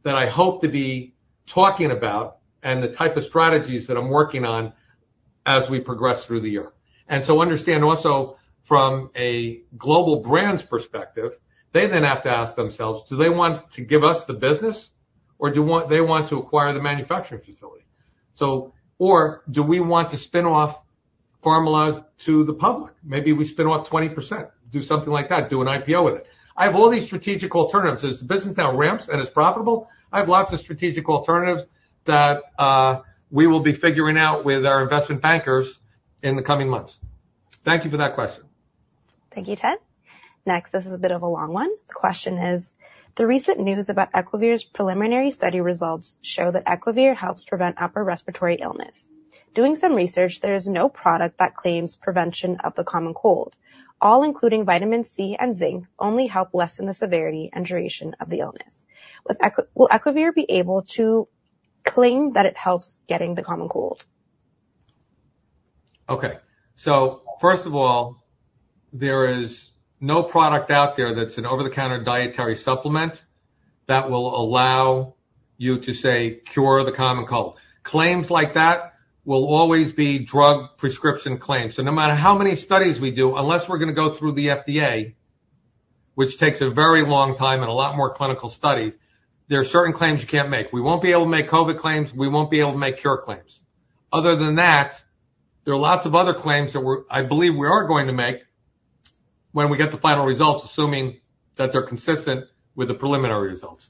that I hope to be talking about and the type of strategies that I'm working on as we progress through the year. Understand also from a global brand's perspective, they then have to ask themselves, "Do they want to give us the business, or do they want to acquire the manufacturing facility?" Or do we want to spin off Pharmaloz to the public? Maybe we spin off 20%, do something like that, do an IPO with it. I have all these strategic alternatives. As the business now ramps and is profitable, I have lots of strategic alternatives that we will be figuring out with our investment bankers in the coming months. Thank you for that question. Thank you, Ted. Next, this is a bit of a long one. The question is, "The recent news about Equivir's preliminary study results show that Equivir helps prevent upper respiratory illness. Doing some research, there is no product that claims prevention of the common cold. All including vitamin C and zinc only help lessen the severity and duration of the illness. Will Equivir be able to claim that it helps getting the common cold? Okay, so first of all, there is no product out there that's an over-the-counter dietary supplement that will allow you to say cure the common cold. Claims like that will always be drug prescription claims. So no matter how many studies we do, unless we're going to go through the FDA, which takes a very long time and a lot more clinical studies, there are certain claims you can't make. We won't be able to make COVID claims. We won't be able to make cure claims. Other than that, there are lots of other claims that I believe we are going to make when we get the final results, assuming that they're consistent with the preliminary results.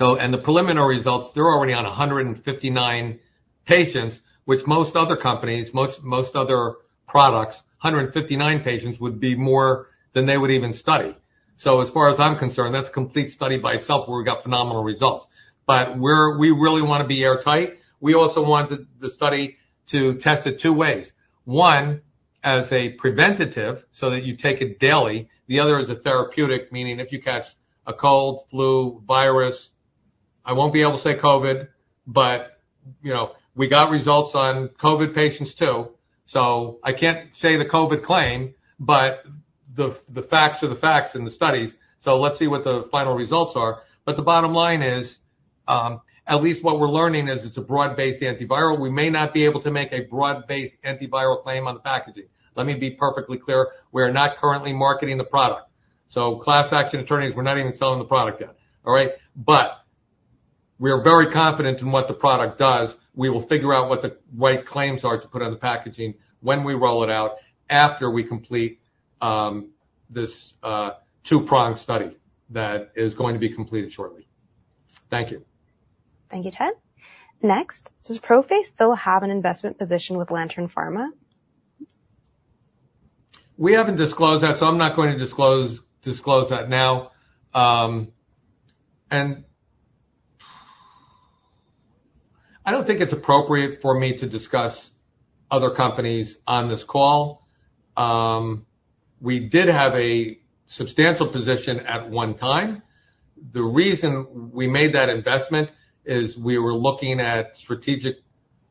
And the preliminary results, they're already on 159 patients, which most other companies, most other products, 159 patients would be more than they would even study. So as far as I'm concerned, that's a complete study by itself where we got phenomenal results. But we really want to be airtight. We also want the study to test it two ways. One as a preventative so that you take it daily. The other is a therapeutic, meaning if you catch a cold, flu, virus, I won't be able to say COVID, but we got results on COVID patients too. So I can't say the COVID claim, but the facts are the facts in the studies. So let's see what the final results are. But the bottom line is, at least what we're learning is it's a broad-based antiviral. We may not be able to make a broad-based antiviral claim on the packaging. Let me be perfectly clear. We are not currently marketing the product. So class action attorneys, we're not even selling the product yet. All right, but we are very confident in what the product does. We will figure out what the right claims are to put on the packaging when we roll it out after we complete this two-pronged study that is going to be completed shortly. Thank you. Thank you, Ted. Next, "Does ProPhase still have an investment position with Lantern Pharma? We haven't disclosed that, so I'm not going to disclose that now. I don't think it's appropriate for me to discuss other companies on this call. We did have a substantial position at one time. The reason we made that investment is we were looking at strategic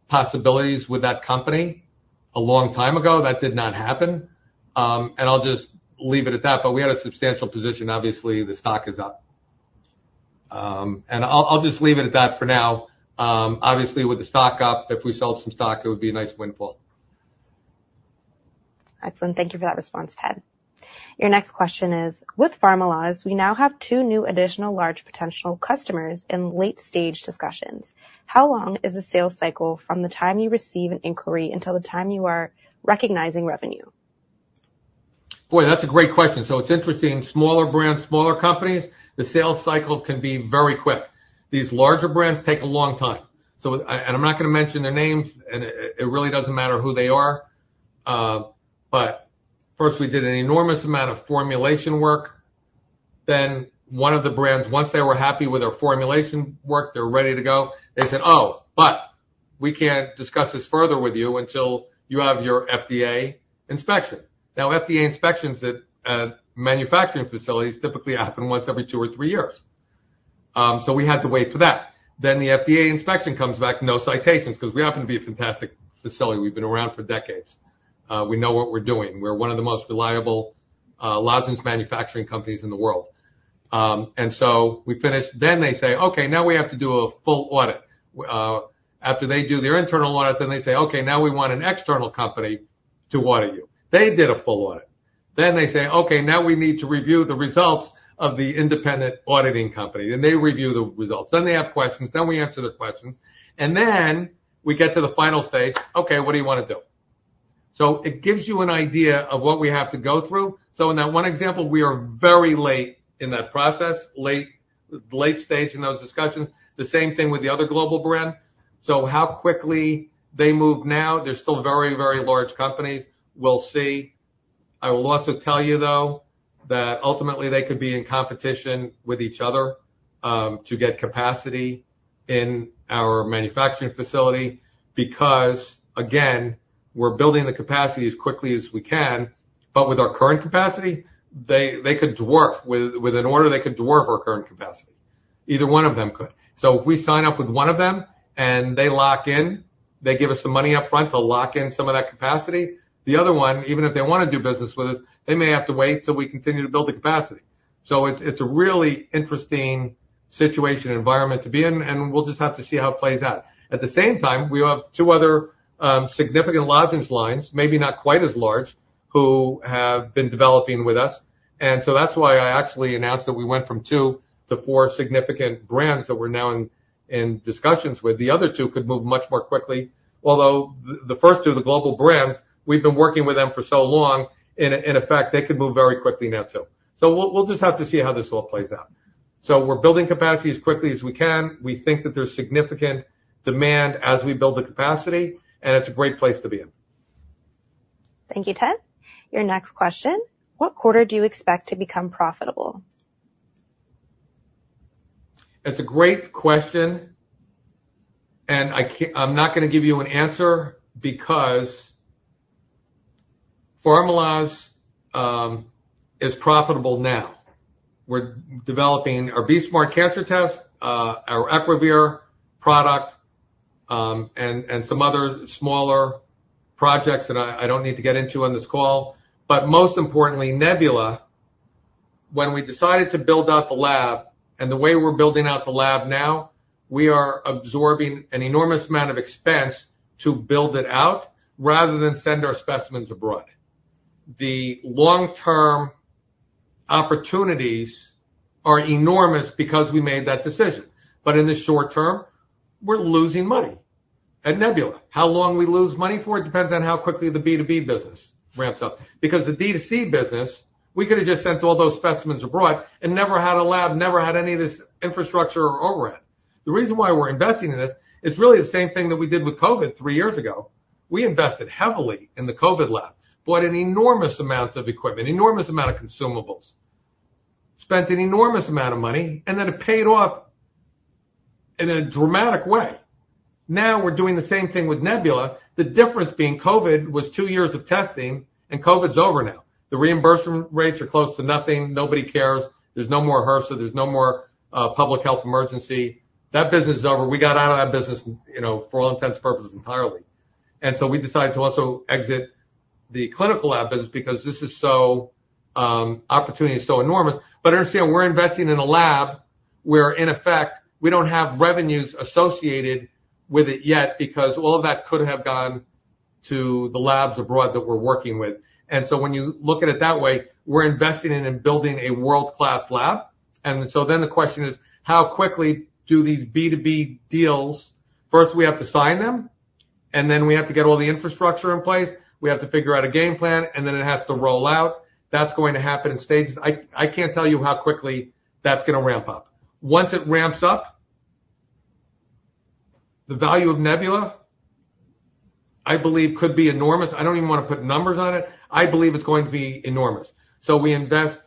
possibilities with that company a long time ago. That did not happen. I'll just leave it at that. We had a substantial position. Obviously, the stock is up. I'll just leave it at that for now. Obviously, with the stock up, if we sold some stock, it would be a nice windfall. Excellent. Thank you for that response, Ted. Your next question is, "With Pharmaloz, we now have two new additional large potential customers in late stage discussions. How long is the sales cycle from the time you receive an inquiry until the time you are recognizing revenue? Boy, that's a great question. So it's interesting. Smaller brands, smaller companies, the sales cycle can be very quick. These larger brands take a long time. And I'm not going to mention their names, and it really doesn't matter who they are. But first, we did an enormous amount of formulation work. Then one of the brands, once they were happy with our formulation work, they're ready to go. They said, "Oh, but we can't discuss this further with you until you have your FDA inspection. Now, FDA inspections at manufacturing facilities typically happen once every two or three years." So we had to wait for that. Then the FDA inspection comes back, no citations, because we happen to be a fantastic facility. We've been around for decades. We know what we're doing. We're one of the most reliable lozenge manufacturing companies in the world. And so we finished. Then they say, "Okay, now we have to do a full audit." After they do their internal audit, then they say, "Okay, now we want an external company to audit you." They did a full audit. Then they say, "Okay, now we need to review the results of the independent auditing company." Then they review the results. Then they have questions. Then we answer their questions. And then we get to the final stage, "Okay, what do you want to do?" So it gives you an idea of what we have to go through. So in that one example, we are very late in that process, late stage in those discussions. The same thing with the other global brand. So how quickly they move now, they're still very, very large companies. We'll see. I will also tell you, though, that ultimately they could be in competition with each other to get capacity in our manufacturing facility because, again, we're building the capacity as quickly as we can. But with our current capacity, they could dwarf with an order, they could dwarf our current capacity. Either one of them could. So if we sign up with one of them and they lock in, they give us some money upfront to lock in some of that capacity. The other one, even if they want to do business with us, they may have to wait till we continue to build the capacity. So it's a really interesting situation and environment to be in, and we'll just have to see how it plays out. At the same time, we have two other significant lozenge lines, maybe not quite as large, who have been developing with us. So that's why I actually announced that we went from two to four significant brands that we're now in discussions with. The other two could move much more quickly, although the first two, the global brands, we've been working with them for so long. In effect, they could move very quickly now too. So we'll just have to see how this all plays out. So we're building capacity as quickly as we can. We think that there's significant demand as we build the capacity, and it's a great place to be in. Thank you, Ted. Your next question, "What quarter do you expect to become profitable? It's a great question. I'm not going to give you an answer because Pharmaloz is profitable now. We're developing our BE-Smart cancer test, our Equivir product, and some other smaller projects that I don't need to get into on this call. Most importantly, Nebula, when we decided to build out the lab and the way we're building out the lab now, we are absorbing an enormous amount of expense to build it out rather than send our specimens abroad. The long-term opportunities are enormous because we made that decision. In the short term, we're losing money. Nebula, how long we lose money for it depends on how quickly the B2B business ramps up because the D2C business, we could have just sent all those specimens abroad and never had a lab, never had any of this infrastructure or overhead. The reason why we're investing in this, it's really the same thing that we did with COVID three years ago. We invested heavily in the COVID lab, bought an enormous amount of equipment, enormous amount of consumables, spent an enormous amount of money, and then it paid off in a dramatic way. Now we're doing the same thing with Nebula. The difference being COVID was two years of testing, and COVID's over now. The reimbursement rates are close to nothing. Nobody cares. There's no more HRSA. There's no more public health emergency. That business is over. We got out of that business for all intents and purposes entirely. And so we decided to also exit the clinical lab business because this is so opportunity is so enormous. But understand we're investing in a lab where, in effect, we don't have revenues associated with it yet because all of that could have gone to the labs abroad that we're working with. And so when you look at it that way, we're investing in building a world-class lab. And so then the question is, how quickly do these B2B deals first, we have to sign them, and then we have to get all the infrastructure in place. We have to figure out a game plan, and then it has to roll out. That's going to happen in stages. I can't tell you how quickly that's going to ramp up. Once it ramps up, the value of Nebula, I believe, could be enormous. I don't even want to put numbers on it. I believe it's going to be enormous. So we invest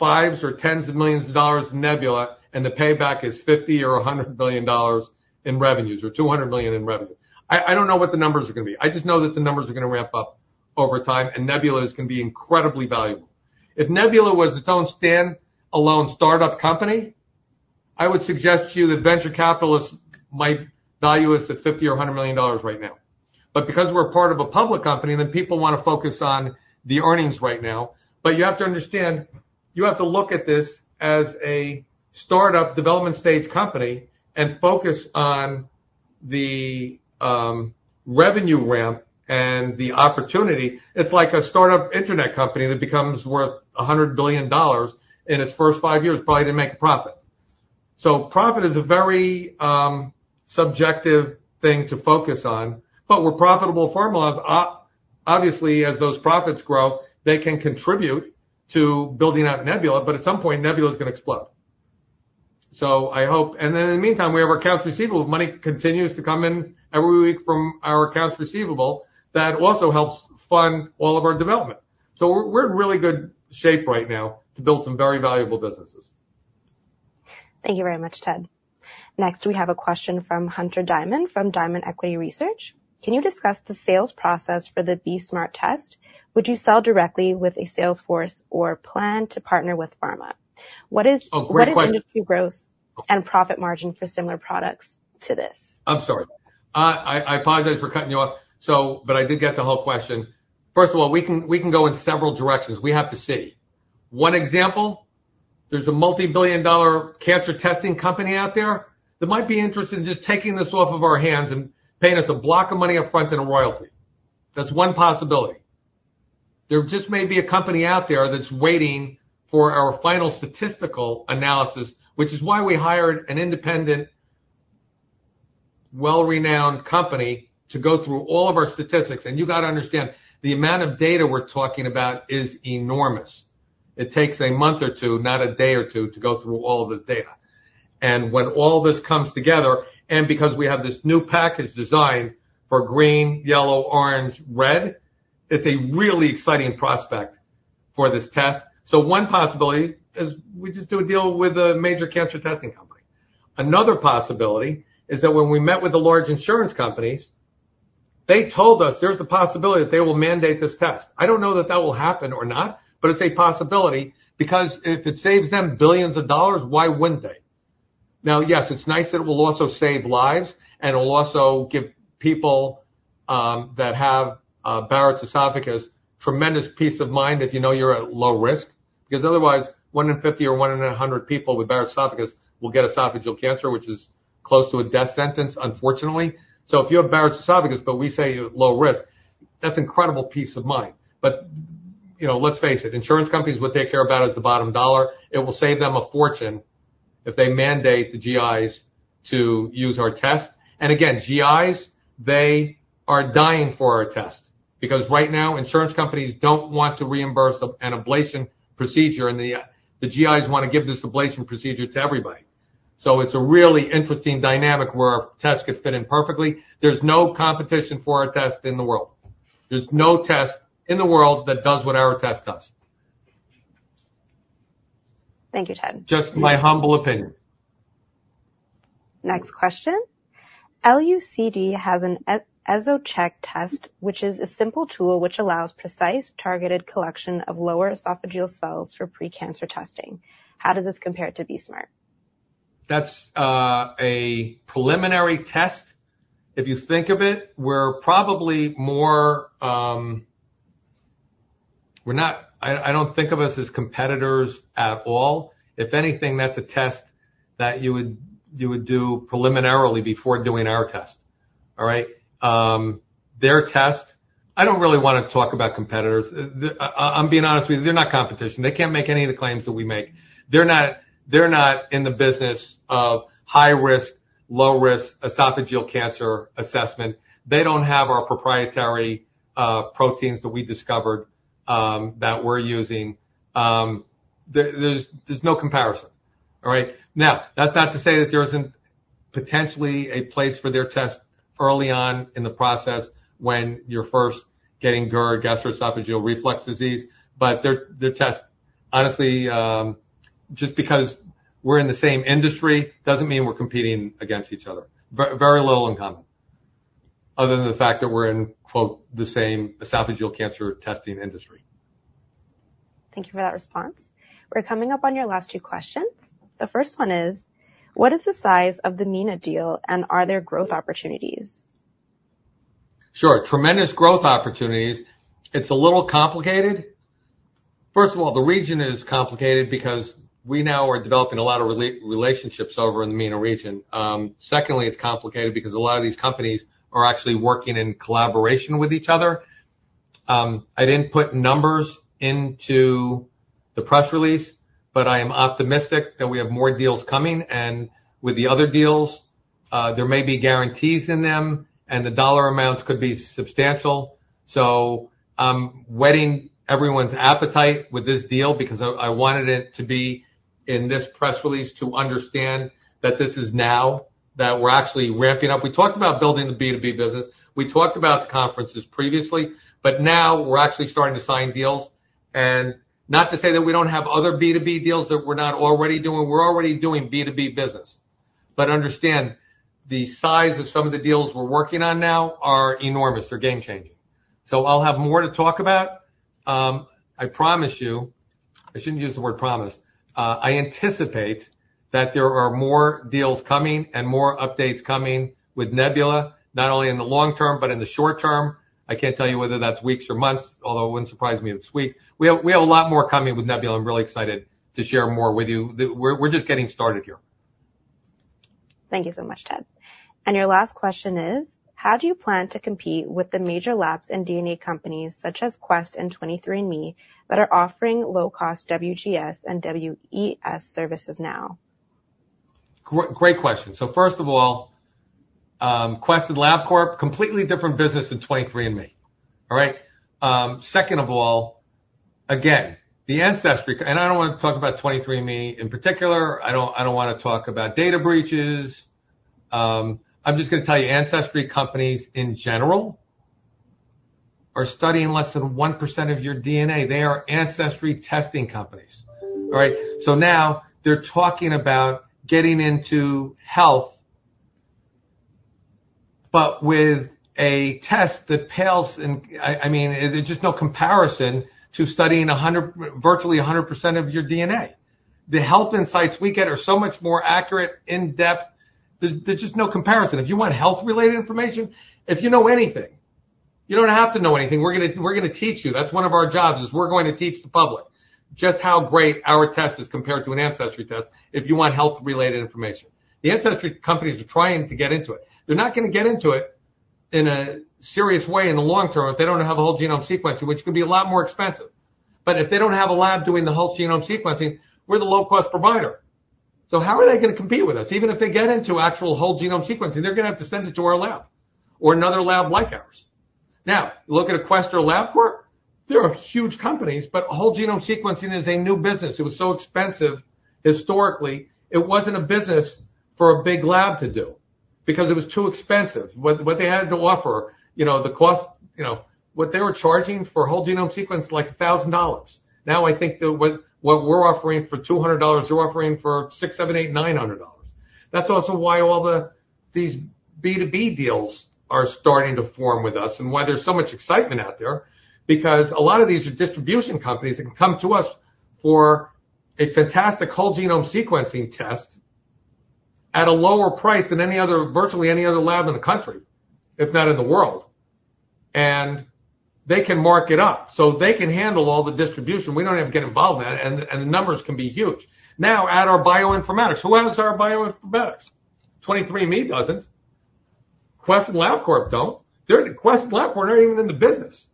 $5 million or $10 million in Nebula, and the payback is $50 million or $100 million in revenues or $200 million in revenue. I don't know what the numbers are going to be. I just know that the numbers are going to ramp up over time, and Nebula is going to be incredibly valuable. If Nebula was its own standalone startup company, I would suggest to you that venture capitalists might value us at $50 million or $100 million right now. But because we're part of a public company, then people want to focus on the earnings right now. But you have to understand you have to look at this as a startup development stage company and focus on the revenue ramp and the opportunity. It's like a startup internet company that becomes worth $100 billion in its first five years, probably didn't make a profit. So profit is a very subjective thing to focus on. But we're profitable, Pharmaloz. Obviously, as those profits grow, they can contribute to building out Nebula. But at some point, Nebula is going to explode. So I hope. And then in the meantime, we have our accounts receivable. Money continues to come in every week from our accounts receivable that also helps fund all of our development. So we're in really good shape right now to build some very valuable businesses. Thank you very much, Ted. Next, we have a question from Hunter Diamond from Diamond Equity Research. "Can you discuss the sales process for the BE-Smart test? Would you sell directly with a sales force or plan to partner with pharma? What is industry growth and profit margin for similar products to this? I'm sorry. I apologize for cutting you off. But I did get the whole question. First of all, we can go in several directions. We have to see. One example, there's a multibillion-dollar cancer testing company out there that might be interested in just taking this off of our hands and paying us a block of money upfront in a royalty. That's one possibility. There just may be a company out there that's waiting for our final statistical analysis, which is why we hired an independent, well-renowned company to go through all of our statistics. And you got to understand the amount of data we're talking about is enormous. It takes a month or two, not a day or two, to go through all of this data. When all this comes together, and because we have this new package designed for green, yellow, orange, red, it's a really exciting prospect for this test. One possibility is we just do a deal with a major cancer testing company. Another possibility is that when we met with the large insurance companies, they told us there's a possibility that they will mandate this test. I don't know that that will happen or not, but it's a possibility because if it saves them billions of dollars, why wouldn't they? Now, yes, it's nice that it will also save lives and it will also give people that have Barrett's esophagus a tremendous peace of mind if you know you're at low risk because otherwise one in 50 or one in 100 people with Barrett's esophagus will get esophageal cancer, which is close to a death sentence, unfortunately. So if you have Barrett's esophagus, but we say you're low risk, that's an incredible peace of mind. But let's face it, insurance companies, what they care about is the bottom dollar. It will save them a fortune if they mandate the GIs to use our test. And again, GIs, they are dying for our test because right now insurance companies don't want to reimburse an ablation procedure, and the GIs want to give this ablation procedure to everybody. So it's a really interesting dynamic where our test could fit in perfectly. There's no competition for our test in the world. There's no test in the world that does what our test does. Thank you, Ted. Just my humble opinion. Next question, "LUCD has an EsoCheck test, which is a simple tool which allows precise, targeted collection of lower esophageal cells for pre-cancer testing. How does this compare to BE-Smart? That's a preliminary test. If you think of it, we're probably more. I don't think of us as competitors at all. If anything, that's a test that you would do preliminarily before doing our test. All right? Their test, I don't really want to talk about competitors. I'm being honest with you, they're not competition. They can't make any of the claims that we make. They're not in the business of high risk, low risk esophageal cancer assessment. They don't have our proprietary proteins that we discovered that we're using. There's no comparison. All right? Now, that's not to say that there isn't potentially a place for their test early on in the process when you're first getting GERD, gastroesophageal reflux disease. But their test, honestly, just because we're in the same industry doesn't mean we're competing against each other. Very little in common other than the fact that we're in "the same esophageal cancer testing industry. Thank you for that response. We're coming up on your last two questions. The first one is, "What is the size of the MENA deal, and are there growth opportunities? Sure, tremendous growth opportunities. It's a little complicated. First of all, the region is complicated because we now are developing a lot of relationships over in the MENA region. Secondly, it's complicated because a lot of these companies are actually working in collaboration with each other. I didn't put numbers into the press release, but I am optimistic that we have more deals coming. And with the other deals, there may be guarantees in them, and the dollar amounts could be substantial. So I'm wetting everyone's appetite with this deal because I wanted it to be in this press release to understand that this is now that we're actually ramping up. We talked about building the B2B business. We talked about the conferences previously, but now we're actually starting to sign deals. And not to say that we don't have other B2B deals that we're not already doing. We're already doing B2B business. But understand the size of some of the deals we're working on now are enormous. They're game-changing. So I'll have more to talk about. I promise you, I shouldn't use the word promise. I anticipate that there are more deals coming and more updates coming with Nebula, not only in the long term but in the short term. I can't tell you whether that's weeks or months, although it wouldn't surprise me if it's weeks. We have a lot more coming with Nebula. I'm really excited to share more with you. We're just getting started here. Thank you so much, Ted. And your last question is, "How do you plan to compete with the major labs and DNA companies such as Quest and 23andMe that are offering low-cost WGS and WES services now? Great question. So first of all, Quest and Labcorp, completely different business than 23andMe. All right? Second of all, again, the Ancestry and I don't want to talk about 23andMe in particular. I don't want to talk about data breaches. I'm just going to tell you Ancestry companies in general are studying less than 1% of your DNA. They are Ancestry testing companies. All right? So now they're talking about getting into health but with a test that pales in I mean, there's just no comparison to studying virtually 100% of your DNA. The health insights we get are so much more accurate, in-depth. There's just no comparison. If you want health-related information, if you know anything, you don't have to know anything. We're going to teach you. That's one of our jobs is we're going to teach the public just how great our test is compared to an Ancestry test if you want health-related information. The Ancestry companies are trying to get into it. They're not going to get into it in a serious way in the long term if they don't have a whole genome sequencing, which could be a lot more expensive. But if they don't have a lab doing the whole genome sequencing, we're the low-cost provider. So how are they going to compete with us? Even if they get into actual whole genome sequencing, they're going to have to send it to our lab or another lab like ours. Now, look at a Quest or Labcorp. They're huge companies, but whole genome sequencing is a new business. It was so expensive historically. It wasn't a business for a big lab to do because it was too expensive. What they had to offer, the cost, what they were charging for whole genome sequence, is like $1,000. Now, I think what we're offering for $200, you're offering for $600-$900. That's also why all these B2B deals are starting to form with us and why there's so much excitement out there because a lot of these are distribution companies that can come to us for a fantastic whole genome sequencing test at a lower price than virtually any other lab in the country, if not in the world. And they can mark it up so they can handle all the distribution. We don't have to get involved in that, and the numbers can be huge. Now, add our bioinformatics. Who has our bioinformatics? 23andMe doesn't. Quest and Labcorp don't. Quest and Labcorp aren't even in the business.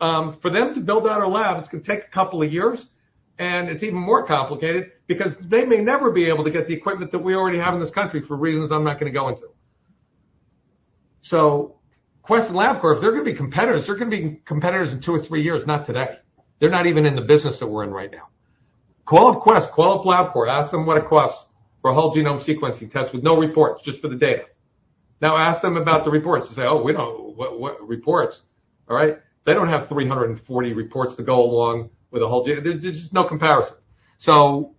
For them to build out our lab, it's going to take a couple of years, and it's even more complicated because they may never be able to get the equipment that we already have in this country for reasons I'm not going to go into. So Quest and Labcorp, if they're going to be competitors, they're going to be competitors in two or three years, not today. They're not even in the business that we're in right now. Call up Quest, call up Labcorp, ask them what it costs for a whole genome sequencing test with no reports, just for the data. Now, ask them about the reports and say, "Oh, we don't know what reports." All right? They don't have 340 reports to go along with a whole there's just no comparison. So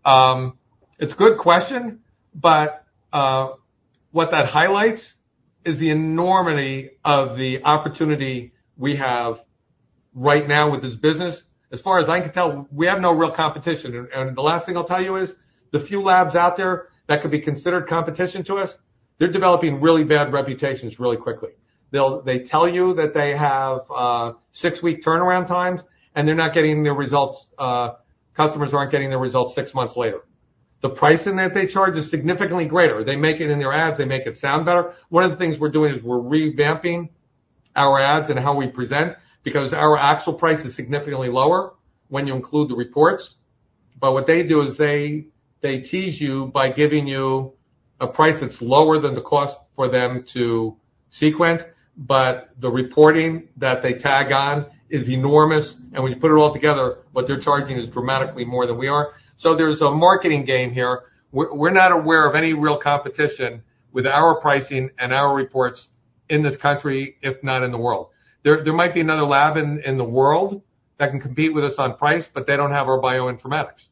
it's a good question, but what that highlights is the enormity of the opportunity we have right now with this business. As far as I can tell, we have no real competition. The last thing I'll tell you is the few labs out there that could be considered competition to us, they're developing really bad reputations really quickly. They tell you that they have six week turnaround times, and they're not getting their results. Customers aren't getting their results six months later. The pricing that they charge is significantly greater. They make it in their ads. They make it sound better. One of the things we're doing is we're revamping our ads and how we present because our actual price is significantly lower when you include the reports. But what they do is they tease you by giving you a price that's lower than the cost for them to sequence, but the reporting that they tag on is enormous. And when you put it all together, what they're charging is dramatically more than we are. So there's a marketing game here. We're not aware of any real competition with our pricing and our reports in this country, if not in the world. There might be another lab in the world that can compete with us on price, but they don't have our bioinformatics.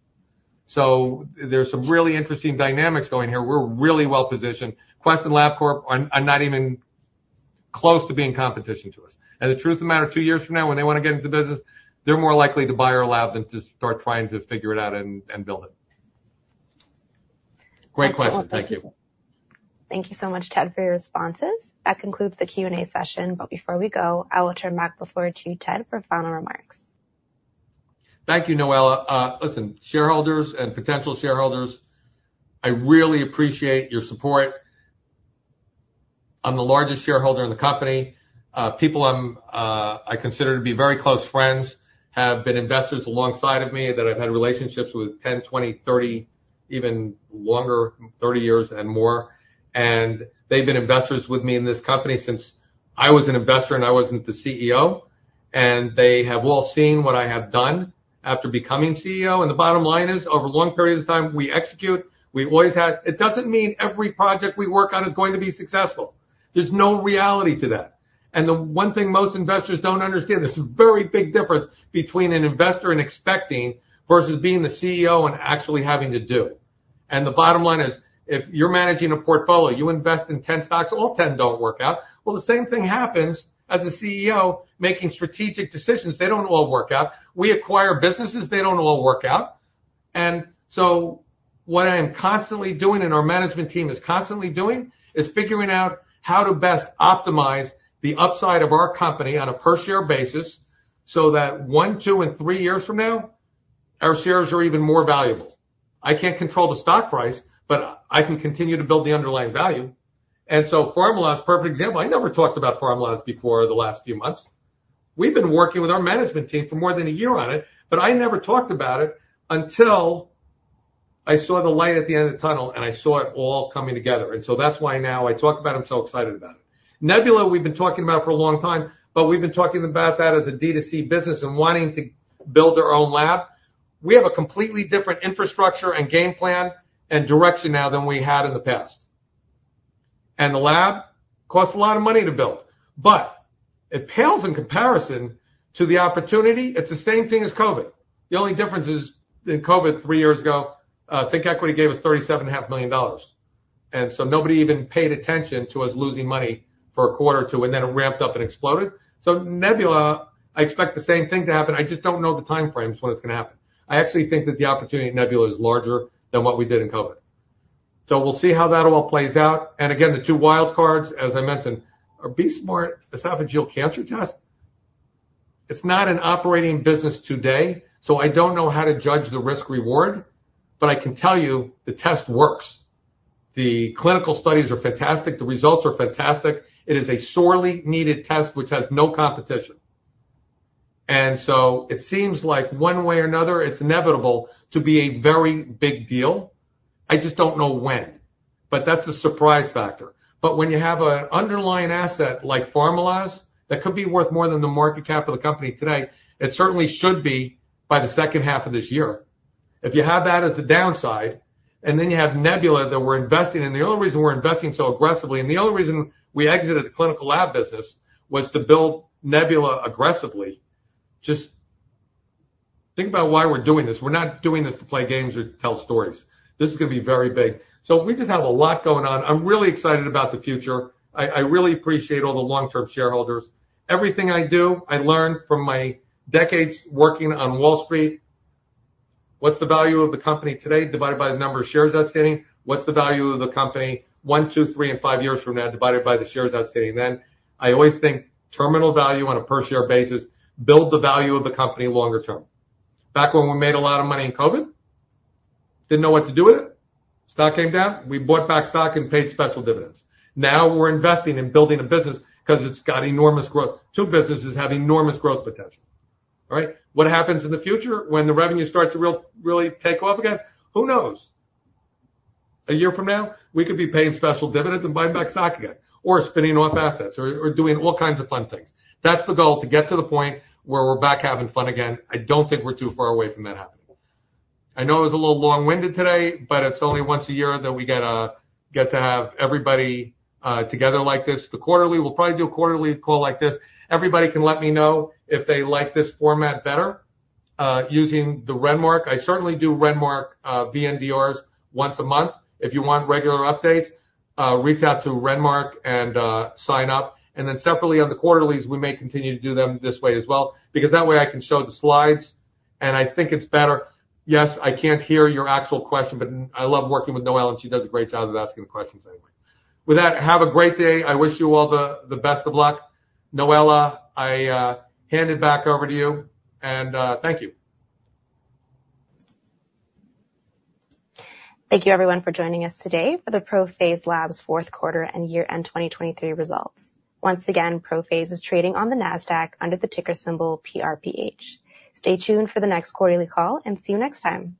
So there's some really interesting dynamics going here. We're really well positioned. Quest and Labcorp are not even close to being competition to us. The truth of the matter, two years from now, when they want to get into business, they're more likely to buy our lab than to start trying to figure it out and build it. Great question. Thank you. Thank you so much, Ted, for your responses. That concludes the Q&A session. But before we go, I will turn back the floor to Ted for final remarks. Thank you, Noella. Listen, shareholders and potential shareholders, I really appreciate your support. I'm the largest shareholder in the company. People I consider to be very close friends have been investors alongside of me that I've had relationships with 10, 20, 30, even longer, 30 years and more. They've been investors with me in this company since I was an investor and I wasn't the CEO. They have all seen what I have done after becoming CEO. The bottom line is over long periods of time, we execute. We always had it. It doesn't mean every project we work on is going to be successful. There's no reality to that. The one thing most investors don't understand, there's a very big difference between an investor and expecting versus being the CEO and actually having to do it. The bottom line is if you're managing a portfolio, you invest in 10 stocks, all 10 don't work out. Well, the same thing happens as a CEO making strategic decisions. They don't all work out. We acquire businesses. They don't all work out. And so what I am constantly doing and our management team is constantly doing is figuring out how to best optimize the upside of our company on a per share basis so that one, two, and three years from now, our shares are even more valuable. I can't control the stock price, but I can continue to build the underlying value. And so Pharmaloz, perfect example. I never talked about Pharmaloz before the last few months. We've been working with our management team for more than a year on it, but I never talked about it until I saw the light at the end of the tunnel, and I saw it all coming together. And so that's why now I talk about them so excited about it. Nebula, we've been talking about it for a long time, but we've been talking about that as a D2C business and wanting to build our own lab. We have a completely different infrastructure and game plan and direction now than we had in the past. And the lab costs a lot of money to build, but it pales in comparison to the opportunity. It's the same thing as COVID. The only difference is in COVID, three years ago, ThinkEquity gave us $37.5 million. And so nobody even paid attention to us losing money for a quarter or two, and then it ramped up and exploded. So Nebula, I expect the same thing to happen. I just don't know the time frames when it's going to happen. I actually think that the opportunity at Nebula is larger than what we did in COVID. So we'll see how that all plays out. And again, the two wild cards, as I mentioned, are BE-Smart Esophageal Cancer Test. It's not an operating business today, so I don't know how to judge the risk-reward, but I can tell you the test works. The clinical studies are fantastic. The results are fantastic. It is a sorely needed test which has no competition. And so it seems like one way or another, it's inevitable to be a very big deal. I just don't know when, but that's a surprise factor. But when you have an underlying asset like Pharmaloz that could be worth more than the market cap of the company today, it certainly should be by the second half of this year. If you have that as the downside and then you have Nebula that we're investing in, the only reason we're investing so aggressively and the only reason we exited the clinical lab business was to build Nebula aggressively. Just think about why we're doing this. We're not doing this to play games or to tell stories. This is going to be very big. So we just have a lot going on. I'm really excited about the future. I really appreciate all the long-term shareholders. Everything I do, I learn from my decades working on Wall Street. What's the value of the company today divided by the number of shares outstanding? What's the value of the company one, two, three, and five years from now divided by the shares outstanding? Then I always think terminal value on a per share basis builds the value of the company longer term. Back when we made a lot of money in COVID, didn't know what to do with it. Stock came down. We bought back stock and paid special dividends. Now we're investing in building a business because it's got enormous growth. Two businesses have enormous growth potential. All right? What happens in the future when the revenue starts to really take off again? Who knows? A year from now, we could be paying special dividends and buying back stock again or spinning off assets or doing all kinds of fun things. That's the goal to get to the point where we're back having fun again. I don't think we're too far away from that happening. I know it was a little long-winded today, but it's only once a year that we get to have everybody together like this. The quarterly, we'll probably do a quarterly call like this. Everybody can let me know if they like this format better using the Renmark. I certainly do Renmark VNDRs once a month. If you want regular updates, reach out to Renmark and sign up. And then separately on the quarterlies, we may continue to do them this way as well because that way I can show the slides, and I think it's better. Yes, I can't hear your actual question, but I love working with Noella, and she does a great job of asking the questions anyway. With that, have a great day. I wish you all the best of luck. Noella, I hand it back over to you, and thank you. Thank you, everyone, for joining us today for the ProPhase Labs fourth quarter and year-end 2023 results. Once again, ProPhase is trading on the NASDAQ under the ticker symbol PRPH. Stay tuned for the next quarterly call, and see you next time.